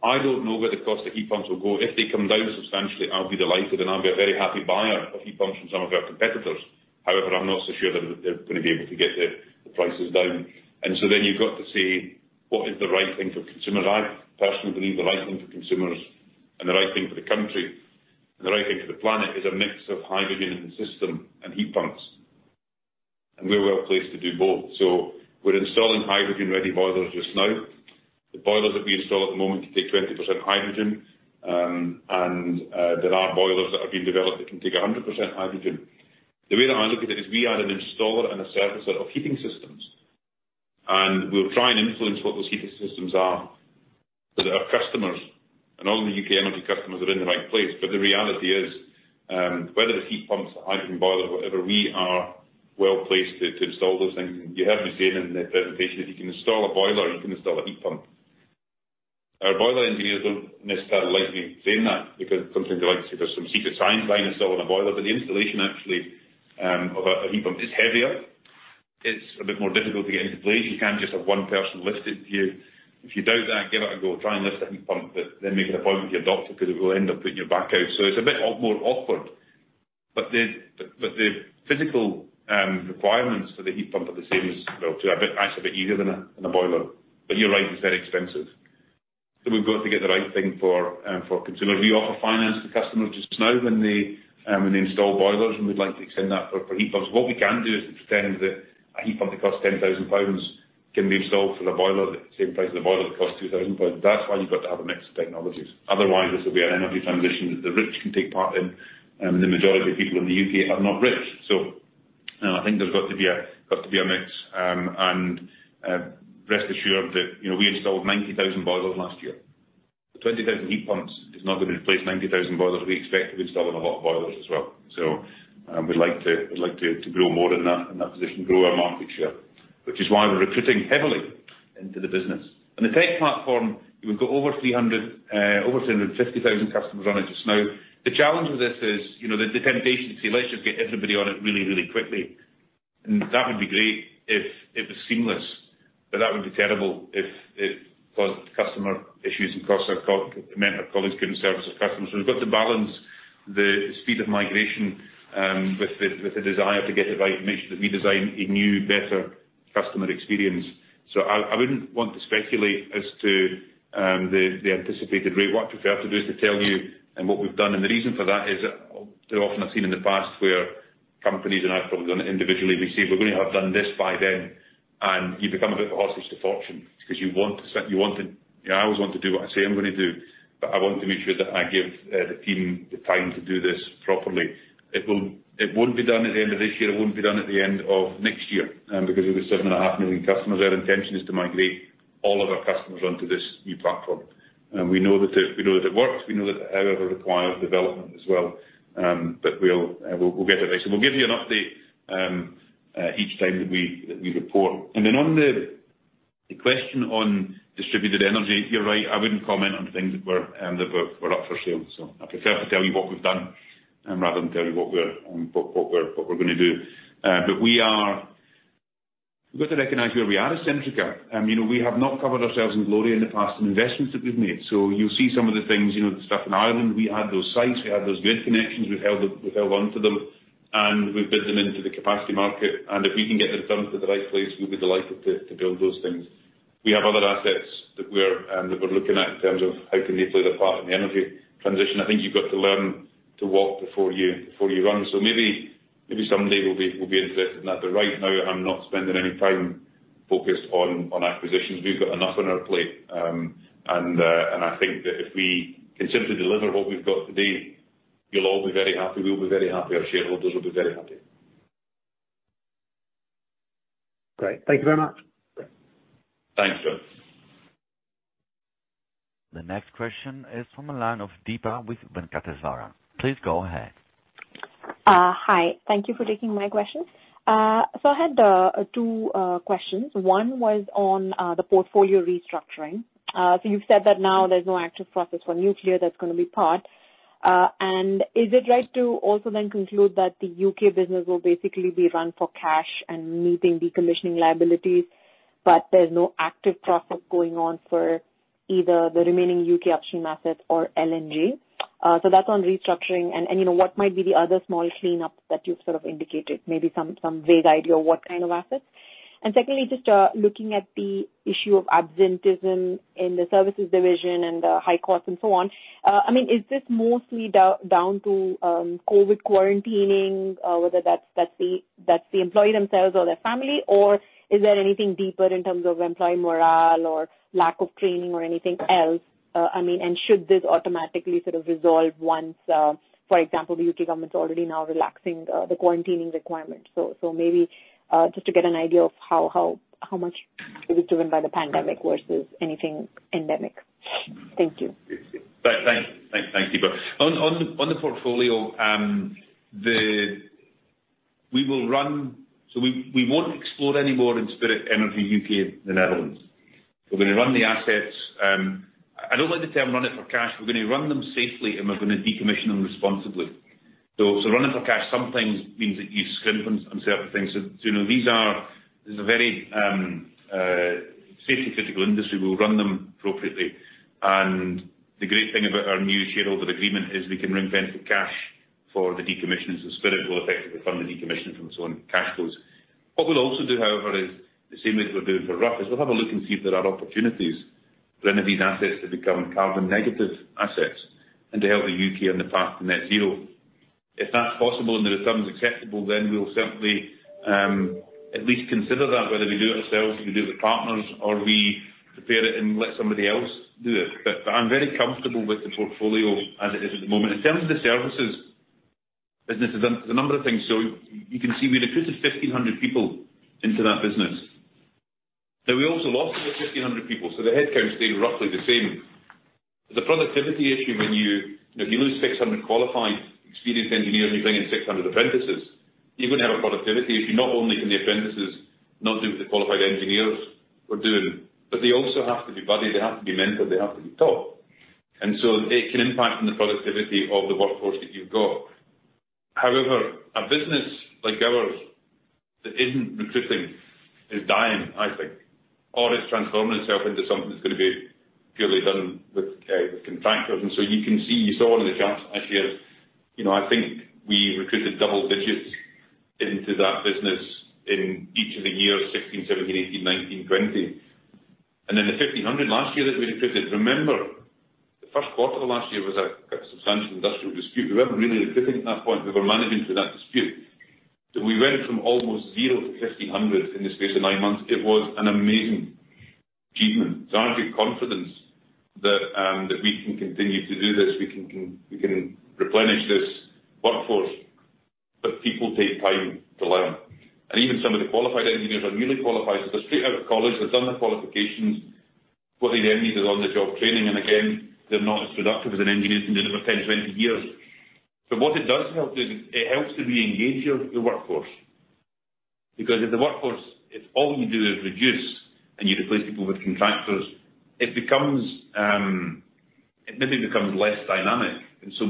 I don't know where the cost of heat pumps will go. If they come down substantially, I'll be delighted, and I'll be a very happy buyer of heat pumps from some of our competitors. However, I'm not so sure that they're gonna be able to get the prices down. What is the right thing for consumers? I personally believe the right thing for consumers and the right thing for the country and the right thing for the planet is a mix of hydrogen in the system and heat pumps. We're well placed to do both. We're installing hydrogen-ready boilers just now. The boilers that we install at the moment can take 20% hydrogen. There are boilers that are being developed that can take 100% hydrogen. The way that I look at it is we are an installer and a servicer of heating systems, and we'll try and influence what those heating systems are so that our customers and all the UK Energy customers are in the right place. The reality is, whether it's heat pumps or hydrogen boilers, whatever, we are well-placed to install those things. You heard me saying in the presentation, if you can install a boiler, you can install a heat pump. Our boiler engineers don't necessarily like me saying that because sometimes they like to say there's some secret science behind installing a boiler. The installation actually of a heat pump is heavier. It's a bit more difficult to get into place. You can't just have one person lift it for you. If you doubt that, give it a go. Try and lift a heat pump, but then make an appointment with your doctor because it will end up putting your back out. It's a bit more awkward. The physical requirements for the heat pump are the same as well, actually a bit easier than a boiler. You're right, it's very expensive. We've got to get the right thing for consumers. We offer finance to customers just now when they install boilers, and we'd like to extend that for heat pumps. What we can do is pretend that a heat pump that costs 10,000 pounds can be installed for the same price as a boiler that costs 2,000 pounds. That's why you've got to have a mix of technologies. Otherwise, this will be an energy transition that the rich can take part in, and the majority of people in the U.K. are not rich. I think there's got to be a mix. Rest assured that, you know, we installed 90,000 boilers last year. 20,000 heat pumps is not gonna replace 90,000 boilers. We expect to be installing a lot of boilers as well. We'd like to grow more in that position, grow our market share, which is why we're recruiting heavily into the business. On the tech platform, we've got over 350,000 customers on it just now. The challenge with this is, you know, the temptation to say, "Let's just get everybody on it really, really quickly." That would be great if it was seamless, but that would be terrible if it caused customer issues and it meant our colleagues couldn't service our customers. We've got to balance the speed of migration with the desire to get it right and make sure that we design a new, better customer experience. I wouldn't want to speculate as to the anticipated rate. What I prefer to do is to tell you and what we've done. The reason for that is too often I've seen in the past where companies and I've probably done it individually, we say, "We're gonna have done this by then." You become a bit of a hostage to fortune because you want to. You know, I always want to do what I say I'm gonna do, but I want to make sure that I give the team the time to do this properly. It won't be done at the end of this year. It won't be done at the end of next year, because we've got 7.5 million customers. Our intention is to migrate all of our customers onto this new platform. We know that it works. We know that it however requires development as well. We'll get it right. We'll give you an update each time that we report. On the question on distributed energy, you're right. I wouldn't comment on things that we're up for sale. I prefer to tell you what we've done rather than tell you what we're gonna do. We've got to recognize where we are as Centrica. You know, we have not covered ourselves in glory in the past in investments that we've made. You'll see some of the things, you know, the stuff in Ireland, we had those sites, we had those grid connections. We've held on to them, and we've bid them into the capacity market. If we can get the returns to the right place, we'd be delighted to build those things. We have other assets that we're looking at in terms of how they can play their part in the energy transition. I think you've got to learn to walk before you run. Maybe someday we'll be interested in that. But right now, I'm not spending any time focused on acquisitions. We've got enough on our plate. And I think that if we continue to deliver what we've got today, you'll all be very happy. We'll be very happy. Our shareholders will be very happy. Great. Thank you very much. Thanks, John. The next question is from the line of Deepa Venkateswaran. Please go ahead. Hi. Thank you for taking my question. I had two questions. One was on the portfolio restructuring. You've said that now there's no active process for nuclear that's gonna be part. Is it right to also then conclude that the U.K. business will basically be run for cash and meeting decommissioning liabilities, but there's no active process going on for either the remaining U.K. upstream assets or LNG? That's on restructuring. You know, what might be the other small cleanup that you've sort of indicated? Maybe some vague idea of what kind of assets. Secondly, just looking at the issue of absenteeism in the services division and the high costs and so on, I mean, is this mostly down to COVID quarantining, whether that's the employee themselves or their family? Or is there anything deeper in terms of employee morale or lack of training or anything else? I mean, should this automatically sort of resolve once, for example, the U.K. government's already now relaxing the quarantining requirement. Maybe just to get an idea of how much it is driven by the pandemic versus anything endemic. Thank you. Thank you. On the portfolio, we won't explore any more in Spirit Energy UK and the Netherlands. We're gonna run the assets. I don't like the term run it for cash. We're gonna run them safely, and we're gonna decommission them responsibly. Running for cash sometimes means that you scrimp on certain things. You know, this is a very safety-critical industry. We will run them appropriately. The great thing about our new shareholder agreement is we can ring-fence the cash for the decommissioning. Spirit will effectively fund the decommissioning from its own cash flows. What we'll also do, however, is the same way as we're doing for Rough, is we'll have a look and see if there are opportunities for any of these assets to become carbon negative assets and to help the U.K. on the path to net zero. If that's possible and the return is acceptable, then we'll certainly at least consider that, whether we do it ourselves, we do it with partners, or we prepare it and let somebody else do it. But I'm very comfortable with the portfolio as it is at the moment. In terms of the services business, there's a number of things. You can see we recruited 1,500 people into that business. Now, we also lost about 1,500 people, so the headcount stayed roughly the same. The productivity issue when you know if you lose 600 qualified experienced engineers and you bring in 600 apprentices, you're gonna have a productivity issue, not only can the apprentices not do what the qualified engineers were doing, but they also have to be buddied. They have to be mentored, they have to be taught. It can impact on the productivity of the workforce that you've got. However, a business like ours that isn't recruiting is dying, I think, or it's transforming itself into something that's gonna be purely done with contractors. You can see, you saw in the charts actually, you know, I think we recruited double digits into that business in each of the years 2016, 2017, 2018, 2019, 2020. The 1,500 last year that we recruited, remember the first quarter of last year was a substantial industrial dispute. We weren't really recruiting at that point. We were managing through that dispute. We went from almost zero to 1,500 in the space of 9 months. It was an amazing achievement. I have the confidence that that we can continue to do this, we can replenish this workforce. People take time to learn, and even some of the qualified engineers are newly qualified, so they're straight out of college. They've done their qualifications. What they then need is on-the-job training. Again, they're not as productive as an engineer who's been doing it for 10, 20 years. What it does help do is it helps to reengage your workforce, because if all you do is reduce and you replace people with contractors, it becomes, it maybe becomes less dynamic.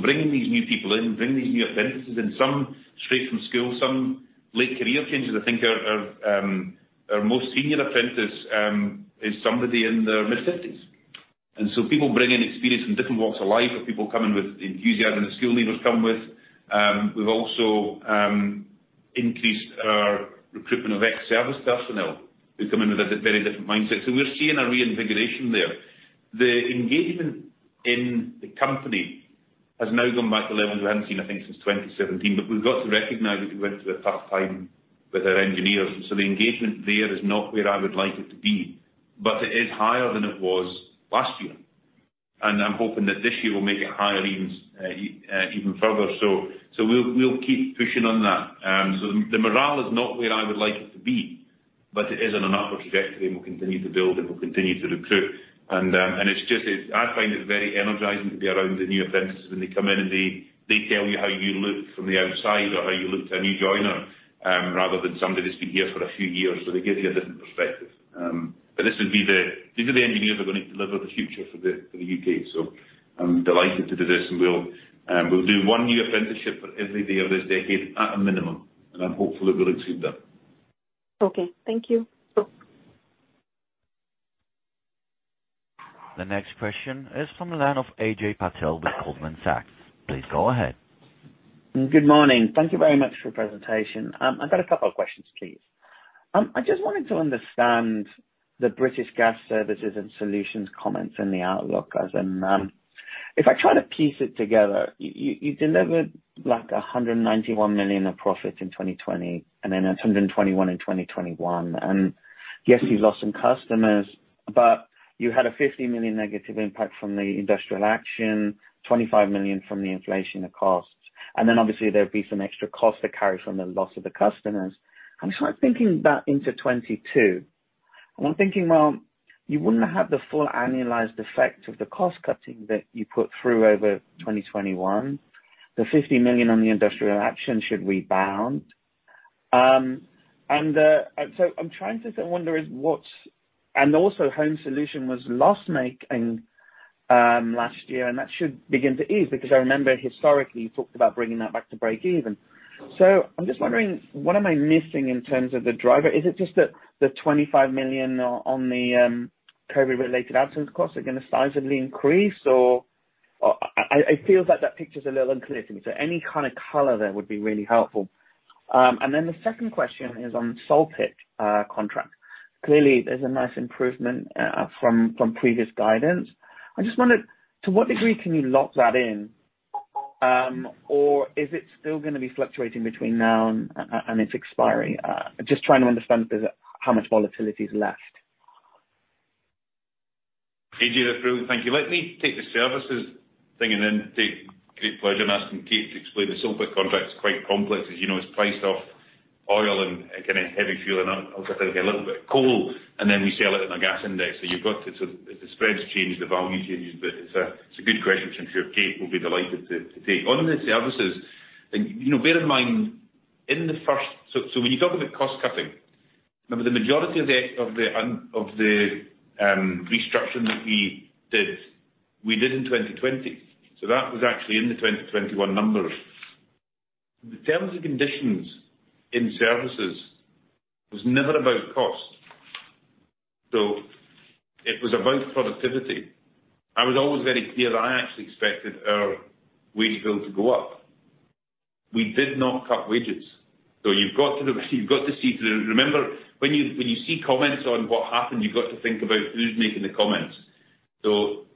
Bringing these new people in, bringing these new apprentices in, some straight from school, some late career changers, I think our most senior apprentice is somebody in their mid-fifties. People bring in experience from different walks of life, but people come in with the enthusiasm the school leavers come with. We've also increased our recruitment of ex-service personnel who come in with a very different mindset. We're seeing a reinvigoration there. The engagement in the company has now gone back to levels we haven't seen, I think, since 2017. We've got to recognize that we went through a tough time with our engineers, and so the engagement there is not where I would like it to be. It is higher than it was last year, and I'm hoping that this year we'll make it higher even further. We'll keep pushing on that. The morale is not where I would like it to be, but it is on an upward trajectory, and we'll continue to build, and we'll continue to recruit. It's just, I find it very energizing to be around the new apprentices when they come in, and they tell you how you look from the outside or how you look to a new joiner, rather than somebody that's been here for a few years. They give you a different perspective. These are the engineers that are gonna deliver the future for the UK. I'm delighted to do this, and we'll do one new apprenticeship for every day of this decade at a minimum, and I'm hopeful that we'll exceed that. Okay. Thank you. Sure. The next question is from the line of Ajay Patel with Goldman Sachs. Please go ahead. Good morning. Thank you very much for the presentation. I've got a couple of questions, please. I just wanted to understand the British Gas Services & Solutions comments in the outlook. As in, if I try to piece it together, you delivered like 191 million of profit in 2020, and then 121 million in 2021. Yes, you've lost some customers, but you had a 50 million negative impact from the industrial action, 25 million from the inflation of costs. Then obviously there'd be some extra costs to carry from the loss of the customers. I'm sort of thinking that into 2022. I'm thinking, well, you wouldn't have the full annualized effect of the cost cutting that you put through over 2021. The 50 million on the industrial action should rebound. Also, Home Solutions was loss-making last year, and that should begin to ease because I remember historically you talked about bringing that back to breakeven. I'm just wondering, what am I missing in terms of the driver? Is it just that the 25 million on the COVID-related absence costs are gonna sizably increase or- I feel like that picture's a little unclear to me, so any kind of color there would be really helpful. Then the second question is on Sole Pit contract. Clearly, there's a nice improvement from previous guidance. I just wondered, to what degree can you lock that in? Or is it still gonna be fluctuating between now and its expiry? Just trying to understand how much volatility is left. Hey, dude. Brilliant. Thank you. Let me take the services thing and then take great pleasure in asking Kate to explain the Sole Pit contracts, quite complex. As you know, it's priced off oil and jet fuel and also a little bit of coal, and then we sell it in a gas index. You've got to sort of, if the spreads change, the value changes, but it's a good question which I'm sure Kate will be delighted to take. On the services, you know, bear in mind, when you talk about cost-cutting, remember the majority of the restructuring that we did, we did in 2020. That was actually in the 2021 numbers. The terms and conditions in services was never about cost. It was about productivity. I was always very clear that I actually expected our wage bill to go up. We did not cut wages. You've got to see through. Remember, when you see comments on what happened, you've got to think about who's making the comments. Because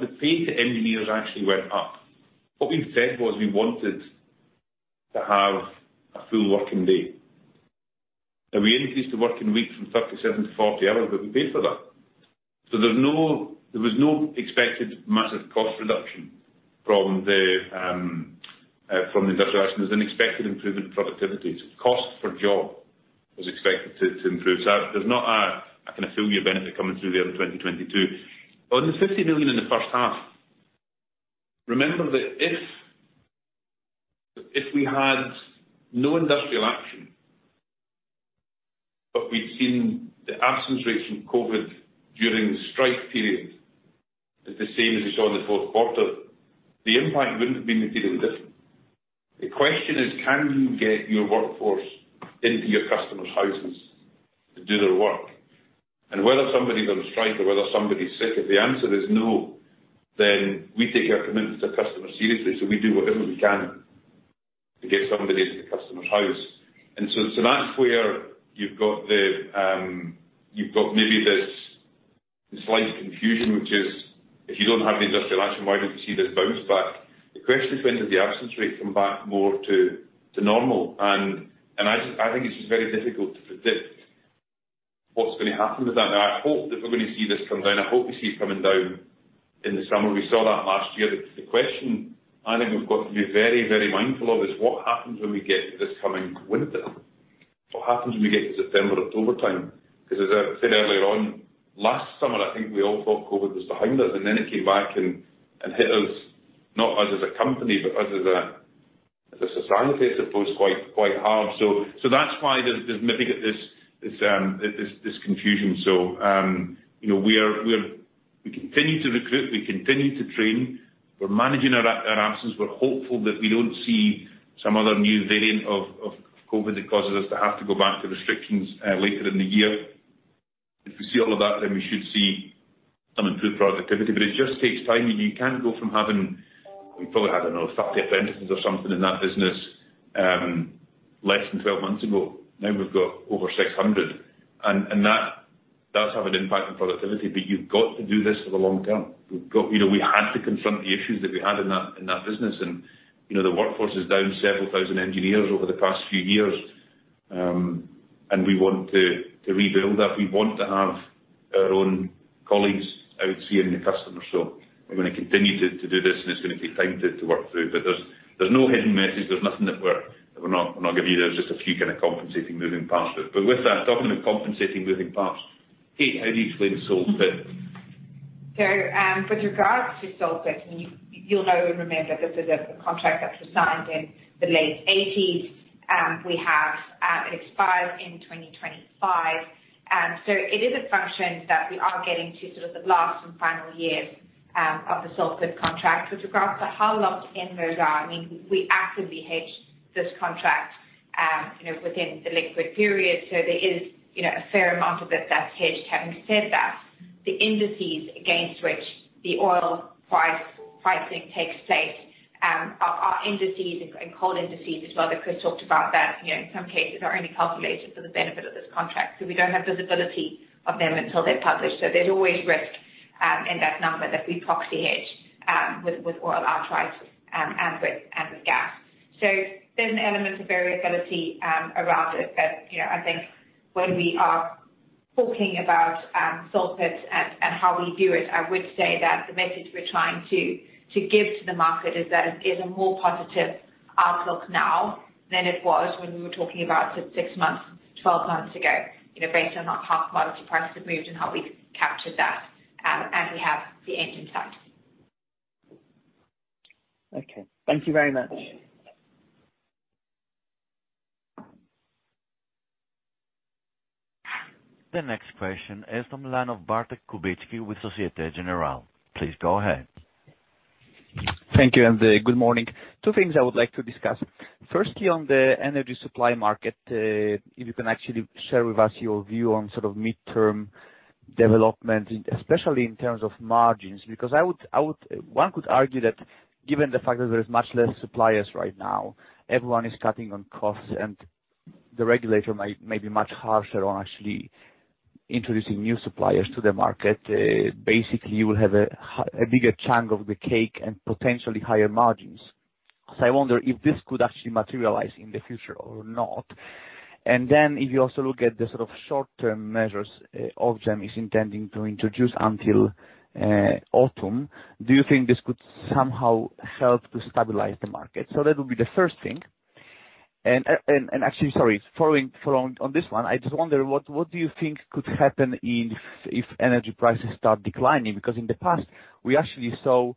the pay to engineers actually went up. What we said was we wanted to have a full working day. We increased the working week from 37 to 40 hours, but we paid for that. There was no expected massive cost reduction from the industrial action. There's an expected improvement in productivity. Cost per job was expected to improve. There's not a kind of full year benefit coming through there in 2022. On the 50 million in the first half, remember that if we had no industrial action, but we'd seen the absence rate from COVID during the strike period is the same as we saw in the fourth quarter, the impact wouldn't have been materially different. The question is, can you get your workforce into your customers' houses to do their work? Whether somebody's on strike or whether somebody's sick, if the answer is no, then we take our commitment to customer seriously. We do whatever we can to get somebody into the customer's house. That's where you've got maybe this slight confusion, which is if you don't have the industrial action, why don't you see this bounce back? The question is when does the absence rate come back more to normal? I think it's just very difficult to predict what's gonna happen with that. Now, I hope that we're gonna see this come down. I hope we see it coming down in the summer. We saw that last year. The question I think we've got to be very mindful of is what happens when we get this coming winter? What happens when we get to September, October time? Because as I said earlier on, last summer, I think we all thought COVID was behind us, and then it came back and hit us, not us as a company, but us as a society, I suppose, quite hard. That's why there's maybe this confusion. You know, we continue to recruit, we continue to train. We're managing our absence. We're hopeful that we don't see some other new variant of COVID that causes us to have to go back to restrictions later in the year. If we see all of that, then we should see some improved productivity. But it just takes time. You can go from having we probably had another 30 apprentices or something in that business less than 12 months ago. Now we've got over 600. That does have an impact on productivity. But you've got to do this for the long term. You know, we had to confront the issues that we had in that business. You know, the workforce is down several thousand engineers over the past few years, and we want to rebuild that. We want to have our own colleagues out seeing the customer. We're gonna continue to do this, and it's gonna take time to work through. There's no hidden message. There's nothing that we're not giving you. There's just a few kind of compensating moving parts. With that, talking of compensating moving parts, Kate, how do you explain the Sole Pit? With regards to Sole Pit, I mean, you'll know and remember that this is a contract that was signed in the late 1980s. We have, it expires in 2025. It is a function that we are getting to sort of the last and final year of the Sole Pit contract, which regards to how locked in those are. I mean, we actively hedged this contract, you know, within the liquid period. There is, you know, a fair amount of it that's hedged. Having said that, the indices against which the oil price pricing takes place are indices and coal indices as well, that Chris talked about that, you know, in some cases are only calculated for the benefit of this contract. We don't have visibility of them until they're published. There's always risk in that number that we proxy hedge with oil outright and with gas. There's an element of variability around it that, you know, I think when we are talking about Sole Pit and how we do it, I would say that the message we're trying to give to the market is that it is a more positive outlook now than it was when we were talking about 6 months, 12 months ago. You know, based on our commodity prices have moved and how we've captured that, and we have the Easington site. Okay. Thank you very much. The next question is from the line of Bartek Kubicki with Société Générale. Please go ahead. Thank you, and good morning. Two things I would like to discuss. Firstly, on the energy supply market, if you can actually share with us your view on sort of midterm development, especially in terms of margins. Because I would one could argue that given the fact that there is much less suppliers right now, everyone is cutting on costs, and the regulator may be much harsher on actually introducing new suppliers to the market. Basically you will have a bigger chunk of the cake and potentially higher margins. I wonder if this could actually materialize in the future or not. If you also look at the sort of short-term measures, Ofgem is intending to introduce until autumn, do you think this could somehow help to stabilize the market? That would be the first thing. Actually, sorry, following on this one, I just wonder what do you think could happen if energy prices start declining? Because in the past, we actually saw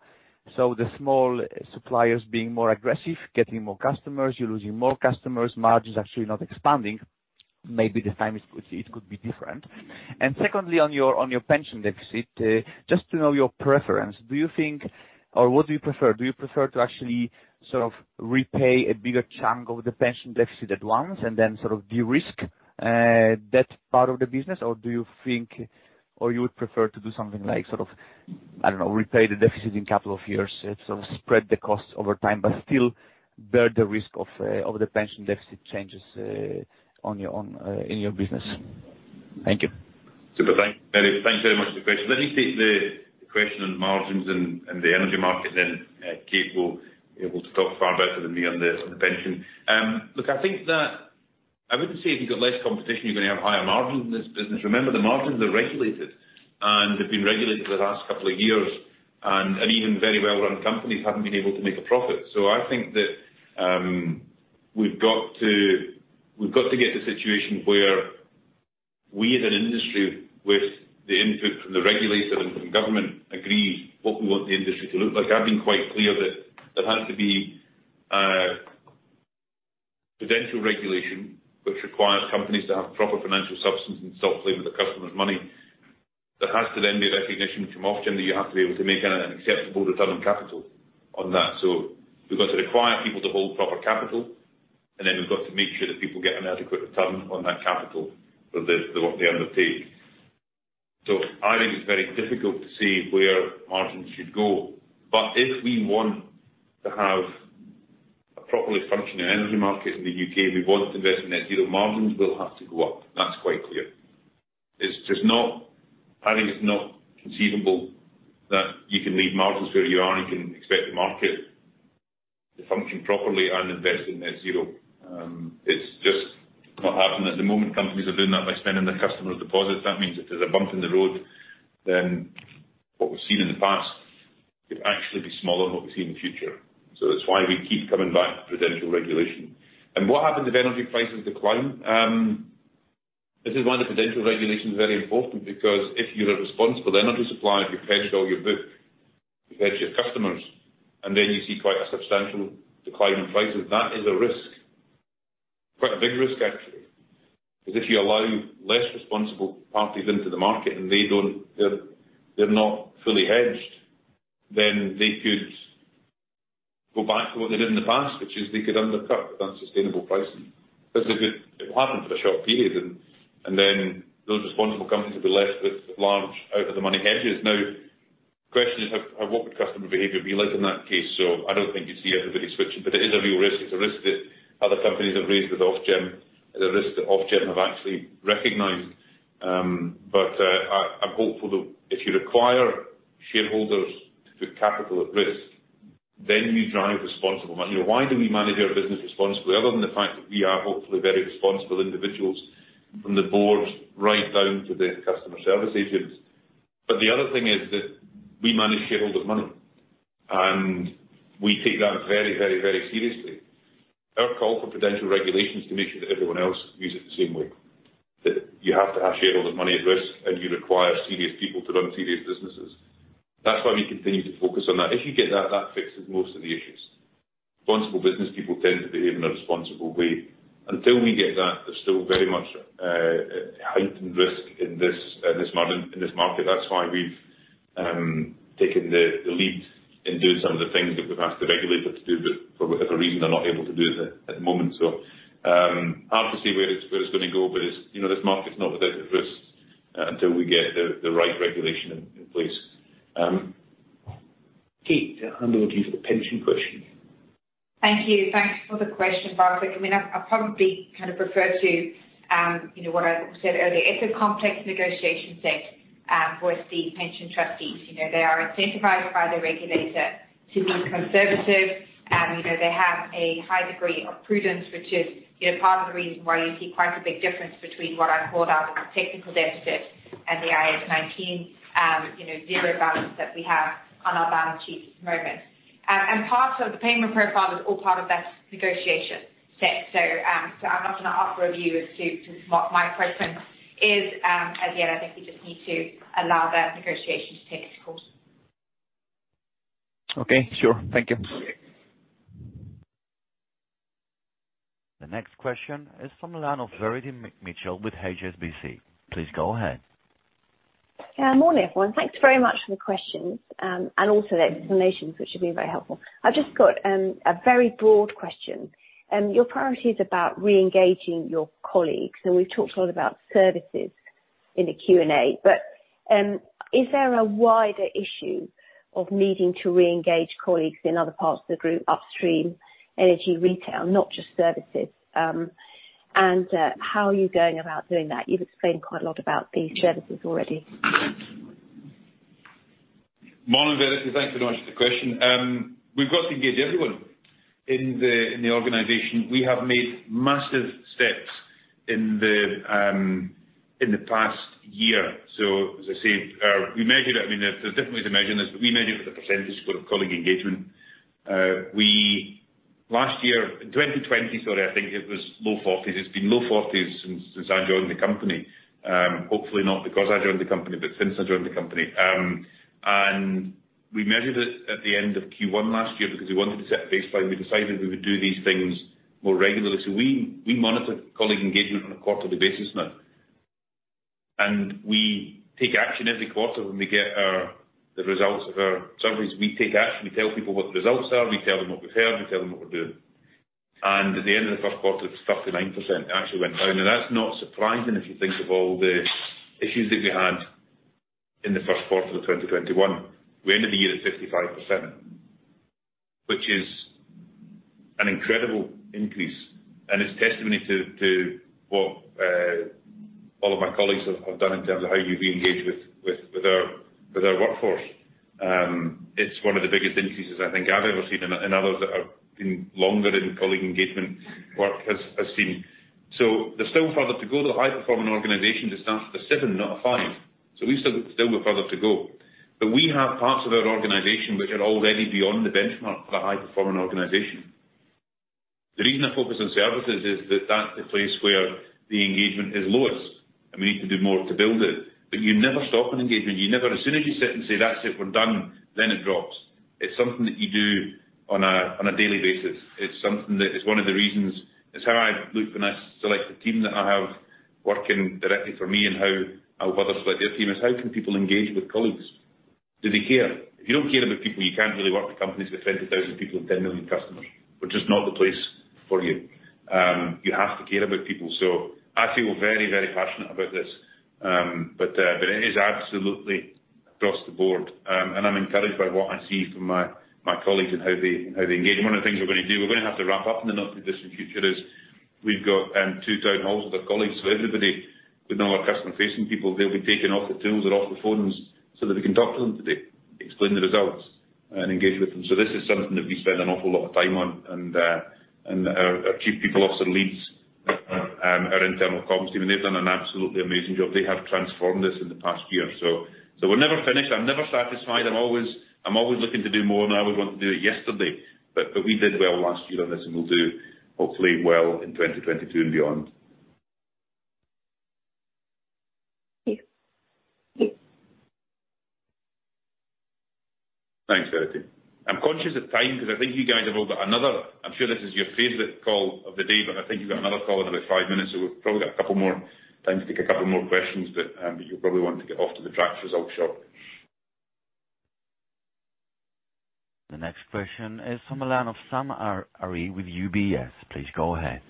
the small suppliers being more aggressive, getting more customers, you're losing more customers, margins actually not expanding. Maybe this time it could be different. Secondly, on your pension deficit, just to know your preference, what do you prefer? Do you prefer to actually sort of repay a bigger chunk of the pension deficit at once and then sort of de-risk that part of the business? Or you would prefer to do something like, sort of, I don't know, repay the deficit in couple of years. spread the cost over time, but still bear the risk of the pension deficit changes, on your own, in your business. Thank you. Super. Thanks very much for the question. Let me take the question on margins and the energy market then. Kate will be able to talk far better than me on the pension. Look, I think that I wouldn't say if you've got less competition, you're gonna have higher margins in this business. Remember, the margins are regulated, and they've been regulated for the past couple of years. Even very well-run companies haven't been able to make a profit. I think that we've got to get to the situation where we as an industry, with the input from the regulator and from government, agrees what we want the industry to look like. I've been quite clear that there has to be prudential regulation which requires companies to have proper financial substance and stop playing with the customers' money. There has to then be a recognition from Ofgem that you have to be able to make an acceptable return on capital on that. We've got to require people to hold proper capital, and then we've got to make sure that people get an adequate return on that capital for the work they undertake. I think it's very difficult to see where margins should go. If we want to have a properly functioning energy market in the U.K., and we want to invest in net zero margins, we'll have to go up. That's quite clear. I think it's not conceivable that you can leave margins where you are and you can expect the market to function properly and invest in net zero. It's just not happening. At the moment, companies are doing that by spending their customers' deposits. That means if there's a bump in the road, then what we've seen in the past could actually be smaller than what we see in the future. That's why we keep coming back to prudential regulation. What happens if energy prices decline? This is why the prudential regulation is very important because if you're a responsible energy supplier and you've hedged all your book, you hedge your customers, and then you see quite a substantial decline in prices, that is a risk. Quite a big risk actually. If you allow less responsible parties into the market and they don't. If they're not fully hedged, then they could go back to what they did in the past, which is they could undercut with unsustainable pricing. It will happen for a short period and then those responsible companies will be left with large out of the money hedges. Now, the question is how customer behavior will be like in that case? I don't think you see everybody switching, but it is a real risk. It's a risk that other companies have raised with Ofgem. The risk that Ofgem have actually recognized. I'm hopeful that if you require shareholders to put capital at risk, then you drive responsible money. Why do we manage our business responsibly other than the fact that we are hopefully very responsible individuals from the board right down to the customer service agents? The other thing is that we manage shareholder money. We take that very seriously. Our call for potential regulations to make sure that everyone else use it the same way, that you have to have shareholders' money at risk and you require serious people to run serious businesses. That's why we continue to focus on that. If you get that fixes most of the issues. Responsible business people tend to behave in a responsible way. Until we get that, there's still very much heightened risk in this market. That's why we've taken the lead in doing some of the things that we've asked the regulator to do, but for whatever reason, they're not able to do it at the moment. Hard to say where it's gonna go, but you know, this market's not without its risks until we get the right regulation in place. Kate, I'll hand over to you for the pension question. Thank you. Thanks for the question, Barclays. I mean, I probably kind of refer to, you know, what I said earlier. It's a complex negotiation set with the pension trustees. You know, they are incentivized by the regulator to be conservative. You know, they have a high degree of prudence, which is, you know, part of the reason why you see quite a big difference between what I called out as the technical deficit and the IAS 19, you know, zero balance that we have on our balance sheet at the moment. And part of the payment profile is all part of that negotiation set. So, I'm not gonna offer a view as to what my preference is, as yet. I think we just need to allow that negotiation to take its course. Okay, sure. Thank you. The next question is from the line of Verity Mitchell with HSBC. Please go ahead. Morning, everyone. Thanks very much for the questions and also the explanations, which have been very helpful. I've just got a very broad question. Your priority is about re-engaging your colleagues, and we've talked a lot about services in the Q&A. Is there a wider issue of needing to reengage colleagues in other parts of the group upstream, energy retail, not just services? How are you going about doing that? You've explained quite a lot about the services already. Morning, Verity. Thanks very much for the question. We've got to engage everyone in the organization. We have made massive steps in the past year. As I say, we measure it. I mean there's different ways of measuring this, but we measure the percentage score of colleague engagement. Last year, 2020, sorry, I think it was low 40s. It's been low 40s since I joined the company. Hopefully not because I joined the company, but since I joined the company. We measured it at the end of Q1 last year because we wanted to set a baseline. We decided we would do these things more regularly. We monitor colleague engagement on a quarterly basis now. We take action every quarter when we get the results of our surveys. We tell people what the results are. We tell them what we've heard, we tell them what we're doing. At the end of the first quarter, it was 39%. It actually went down. That's not surprising if you think of all the issues that we had in the first quarter of 2021. We ended the year at 55%, which is an incredible increase and is testimony to what all of my colleagues have done in terms of how you re-engage with our workforce. It's one of the biggest increases I think I've ever seen and others that have been longer in colleague engagement work has seen. There's still further to go. The high-performing organizations starts at a seven, not a five. We've still go further to go. We have parts of our organization which are already beyond the benchmark for high-performing organization. The reason I focus on services is that that's the place where the engagement is lowest, and we need to do more to build it. You never stop an engagement. As soon as you sit and say, "That's it, we're done," then it drops. It's something that you do on a daily basis. It's something that is one of the reasons. It's how I look when I select the team that I have working directly for me and how others like their team is: How can people engage with colleagues? Do they care? If you don't care about people, you can't really work for companies with 20,000 people and 10 million customers, which is not the place for you. You have to care about people. I feel very, very passionate about this. It is absolutely across the board. I'm encouraged by what I see from my colleagues and how they engage. One of the things we're gonna do in the not too distant future is we've got two town halls with our colleagues. Everybody with no customer-facing people, they'll be taking off the tools or off the phones so that we can talk to them today, explain the results, and engage with them. This is something that we spend an awful lot of time on. Our Chief People Officer leads our internal comms team, and they've done an absolutely amazing job. They have transformed this in the past year. We're never finished. I'm never satisfied. I'm always looking to do more, and I always want to do it yesterday. We did well last year on this, and we'll do hopefully well in 2022 and beyond. Thank you. Thanks, Verity. I'm conscious of time because I think you guys have all got another call. I'm sure this is your favorite call of the day, but I think you've got another call in about five minutes, so we've probably got a couple more minutes to take a couple more questions. You probably want to get off to the Drax results shortly. The next question is from the line of Sam Arie with UBS. Please go ahead.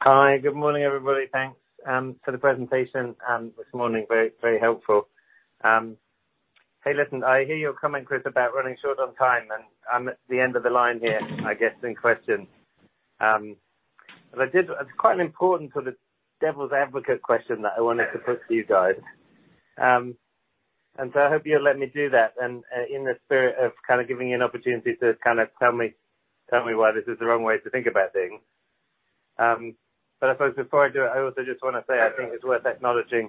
Hi. Good morning, everybody. Thanks for the presentation this morning. Very, very helpful. Hey, listen, I hear your comment, Chris, about running short on time, and I'm at the end of the line here, I guess in question. It's quite an important sort of devil's advocate question that I wanted to put to you guys. I hope you'll let me do that. In the spirit of kind of giving you an opportunity to kind of tell me why this is the wrong way to think about things. I suppose before I do it, I also just wanna say, I think it's worth acknowledging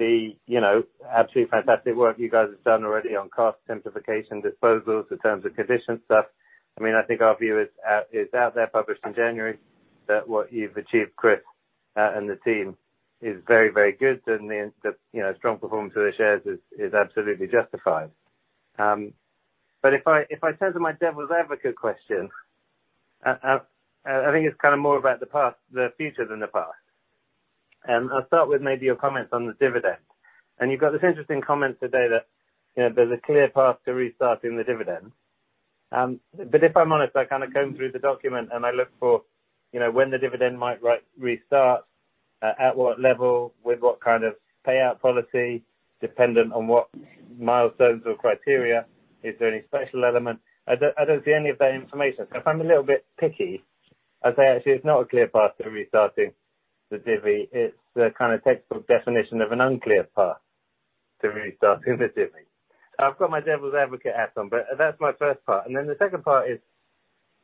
the, you know, absolutely fantastic work you guys have done already on cost simplification disposals in terms of condition stuff. I mean, I think our view is out there, published in January, that what you've achieved, Chris, and the team is very, very good and the you know, strong performance of the shares is absolutely justified. But if I turn to my devil's advocate question, I think it's kind of more about the future than the past. I'll start with maybe your comments on the dividend. You've got this interesting comment today that, you know, there's a clear path to restarting the dividend. But if I'm honest, I kind of combed through the document and I look for, you know, when the dividend might restart, at what level, with what kind of payout policy, dependent on what milestones or criteria. Is there any special element? I don't see any of that information. If I'm a little bit picky, I'd say actually it's not a clear path to restarting the divvy. It's the kind of textbook definition of an unclear path to restarting the divvy. I've got my devil's advocate hat on, but that's my first part. The second part is,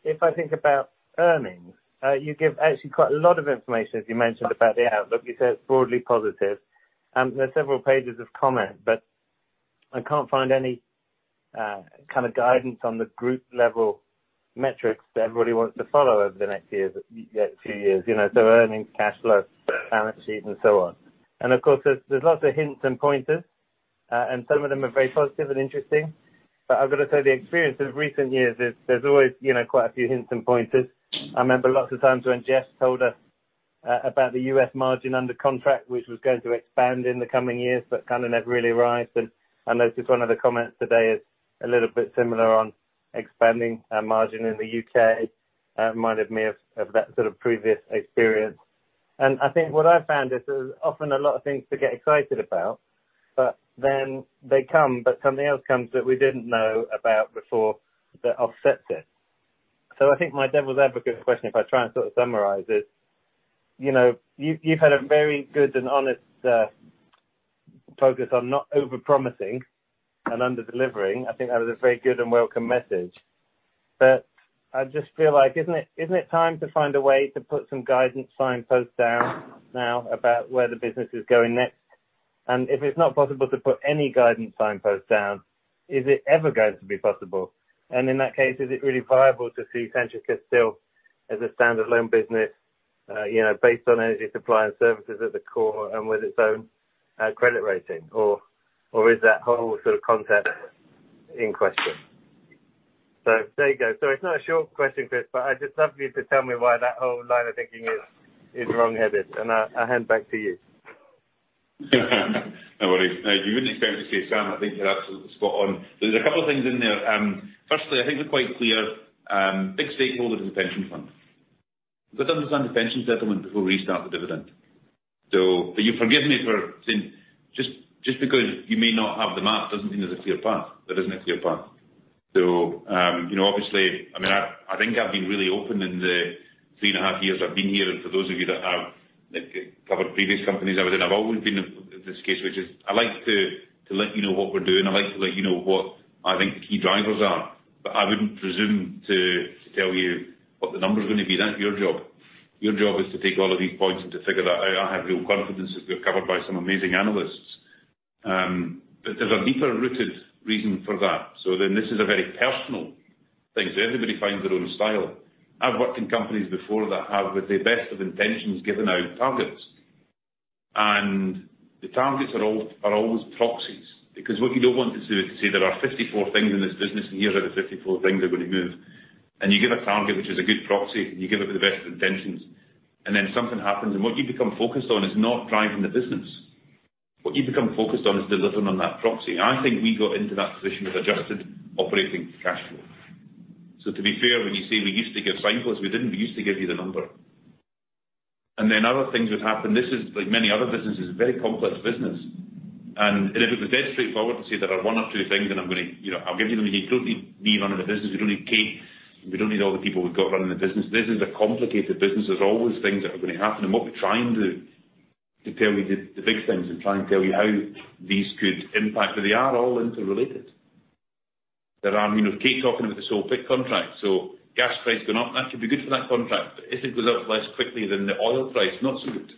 if I think about earnings, you give actually quite a lot of information, as you mentioned about the outlook. You said it's broadly positive. There are several pages of comment, but I can't find any kind of guidance on the group level metrics that everybody wants to follow over the next years, two years, you know. Earnings, cash flow, balance sheet and so on. Of course, there's lots of hints and pointers, and some of them are very positive and interesting. I've gotta say the experience of recent years is there's always, you know, quite a few hints and pointers. I remember lots of times when Jeff told us about the U.S. margin under contract, which was going to expand in the coming years, but kind of never really arrived. I noticed one of the comments today is a little bit similar on expanding margin in the U.K. It reminded me of that sort of previous experience. I think what I found is there's often a lot of things to get excited about, but then they come, but something else comes that we didn't know about before that offsets it. I think my devil's advocate question, if I try and sort of summarize it, you know, you've had a very good and honest focus on not over promising and under delivering. I think that was a very good and welcome message. I just feel like isn't it time to find a way to put some guidance signpost down now about where the business is going next? If it's not possible to put any guidance signpost down, is it ever going to be possible? In that case, is it really viable to see Centrica still as a stand-alone business, you know, based on energy supply and services at the core and with its own credit rating or is that whole sort of concept in question? There you go. It's not a short question, Chris, but I'd just love you to tell me why that whole line of thinking is wrong-headed. I hand back to you. No worries. No, you wouldn't expect me to say, "Sam, I think you're absolutely spot on." There's a couple of things in there. Firstly, I think we're quite clear, big stakeholder to the pension fund. We've got to understand the pension settlement before we restart the dividend. You forgive me for saying just because you may not have the map, doesn't mean there's a clear path. There isn't a clear path. You know, obviously, I mean, I think I've been really open in the three and a half years I've been here. For those of you that have, like, covered previous companies, I would have always been this case, which is I like to let you know what we're doing. I like to let you know what I think the key drivers are. I wouldn't presume to tell you what the number's gonna be. That's your job. Your job is to take all of these points and to figure that out. I have real confidence that we're covered by some amazing analysts. There's a deep-rooted reason for that. This is a very personal thing. Everybody finds their own style. I've worked in companies before that have, with the best of intentions, given out targets. The targets are always proxies, because what you don't want to do is say there are 54 things in this business, and here are the 54 things that are gonna move. You give a target, which is a good proxy, and you give it with the best intentions. Something happens, and what you become focused on is not driving the business. What you become focused on is delivering on that proxy. I think we got into that position with adjusted operating cash flow. To be fair, when you say we used to give signposts, we didn't. We used to give you the number. Then other things would happen. This is, like many other businesses, a very complex business. It would be very straightforward to say there are one or two things, and I'm gonna, you know, I'll give you them. You don't need me running the business. We don't need Kate. We don't need all the people we've got running the business. This is a complicated business. There's always things that are gonna happen. What we're trying to tell you the big things and try and tell you how these could impact, but they are all interrelated. There are, you know, Kate talking about the Solvay contract. Gas price going up, and that should be good for that contract. If it goes up less quickly than the oil price, not so good.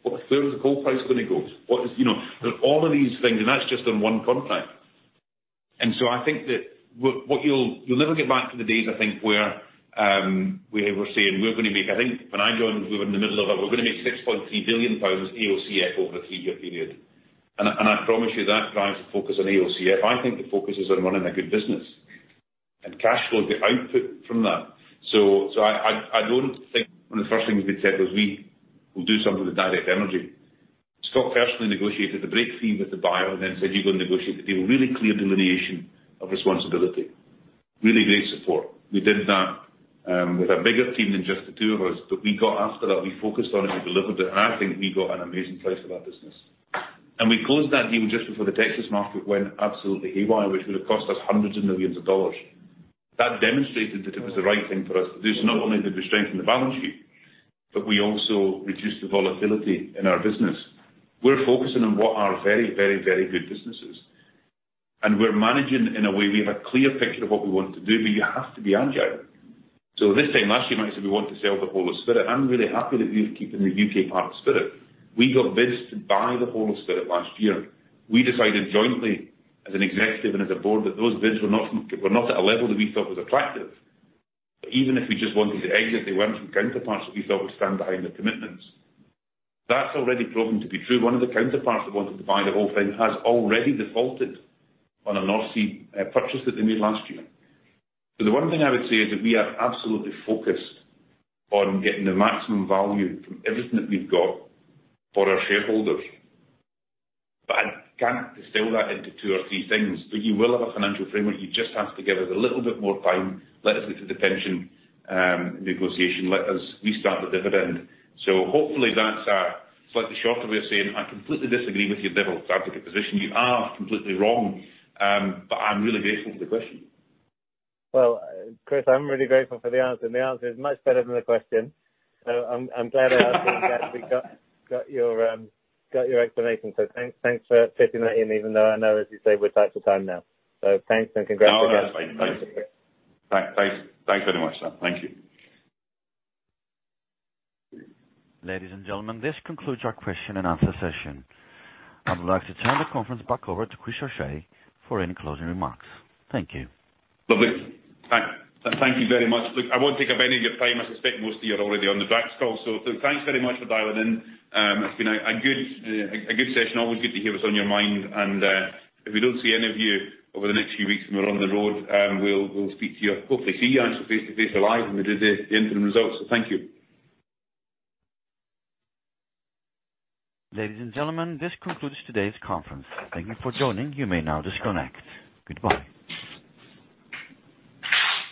Where is the coal price gonna go? What is, you know? There are all of these things, and that's just on one contract. I think that what you'll never get back to the days, I think, where we were saying, "We're gonna make." I think when I joined, we were in the middle of that, "We're gonna make 6.3 billion pounds AOCF over a three-year period." I promise you that drives the focus on AOCF. I think the focus is on running a good business. Cash flow is the output from that. I don't think one of the first things we said was we will do something with Direct Energy. Scott personally negotiated the break fee with the buyer and then said, "You go negotiate the deal." Really clear delineation of responsibility. Really great support. We did that with a bigger team than just the two of us, but after that, we focused on it, we delivered it, and I think we got an amazing price for that business. We closed that deal just before the Texas market went absolutely haywire, which would have cost us $hundreds of millions. That demonstrated that it was the right thing for us to do. Not only did we strengthen the balance sheet, but we also reduced the volatility in our business. We're focusing on what are very good businesses. We're managing in a way, we have a clear picture of what we want to do, but you have to be agile. This time last year, we might have said we want to sell the whole of Spirit. I'm really happy that we're keeping the UK part of Spirit. We got bids to buy the whole of Spirit last year. We decided jointly, as an executive and as a board, that those bids were not at a level that we thought was attractive. But even if we just wanted to exit, they weren't from counterparts that we thought would stand behind the commitments. That's already proven to be true. One of the counterparts that wanted to buy the whole thing has already defaulted on a North Sea purchase that they made last year. The one thing I would say is that we are absolutely focused on getting the maximum value from everything that we've got for our shareholders. I can't distill that into two or three things. You will have a financial framework. You just have to give us a little bit more time. Let us get to the pension negotiation. Let us restart the dividend. Hopefully, that's a slightly shorter way of saying I completely disagree with your devil's advocate position. You are completely wrong. I'm really grateful for the question. Well, Chris, I'm really grateful for the answer, and the answer is much better than the question. I'm glad I asked it and glad we got your explanation. Thanks for fitting that in, even though I know, as you say, we're tight for time now. Thanks and congrats again. No, that's fine. Thanks very much, Sam. Thank you. Ladies and gentlemen, this concludes our question and answer session. I would like to turn the conference back over to Chris O'Shea for any closing remarks. Thank you. Lovely. Thank you very much. Look, I won't take up any of your time. I suspect most of you are already on the Drax call. Thanks very much for dialing in. It's been a good session. Always good to hear what's on your mind. If we don't see any of you over the next few weeks when we're on the road, we'll speak to you, hopefully see you actually face to face alive when we do the interim results. Thank you. Ladies and gentlemen, this concludes today's conference. Thank you for joining. You may now disconnect. Goodbye.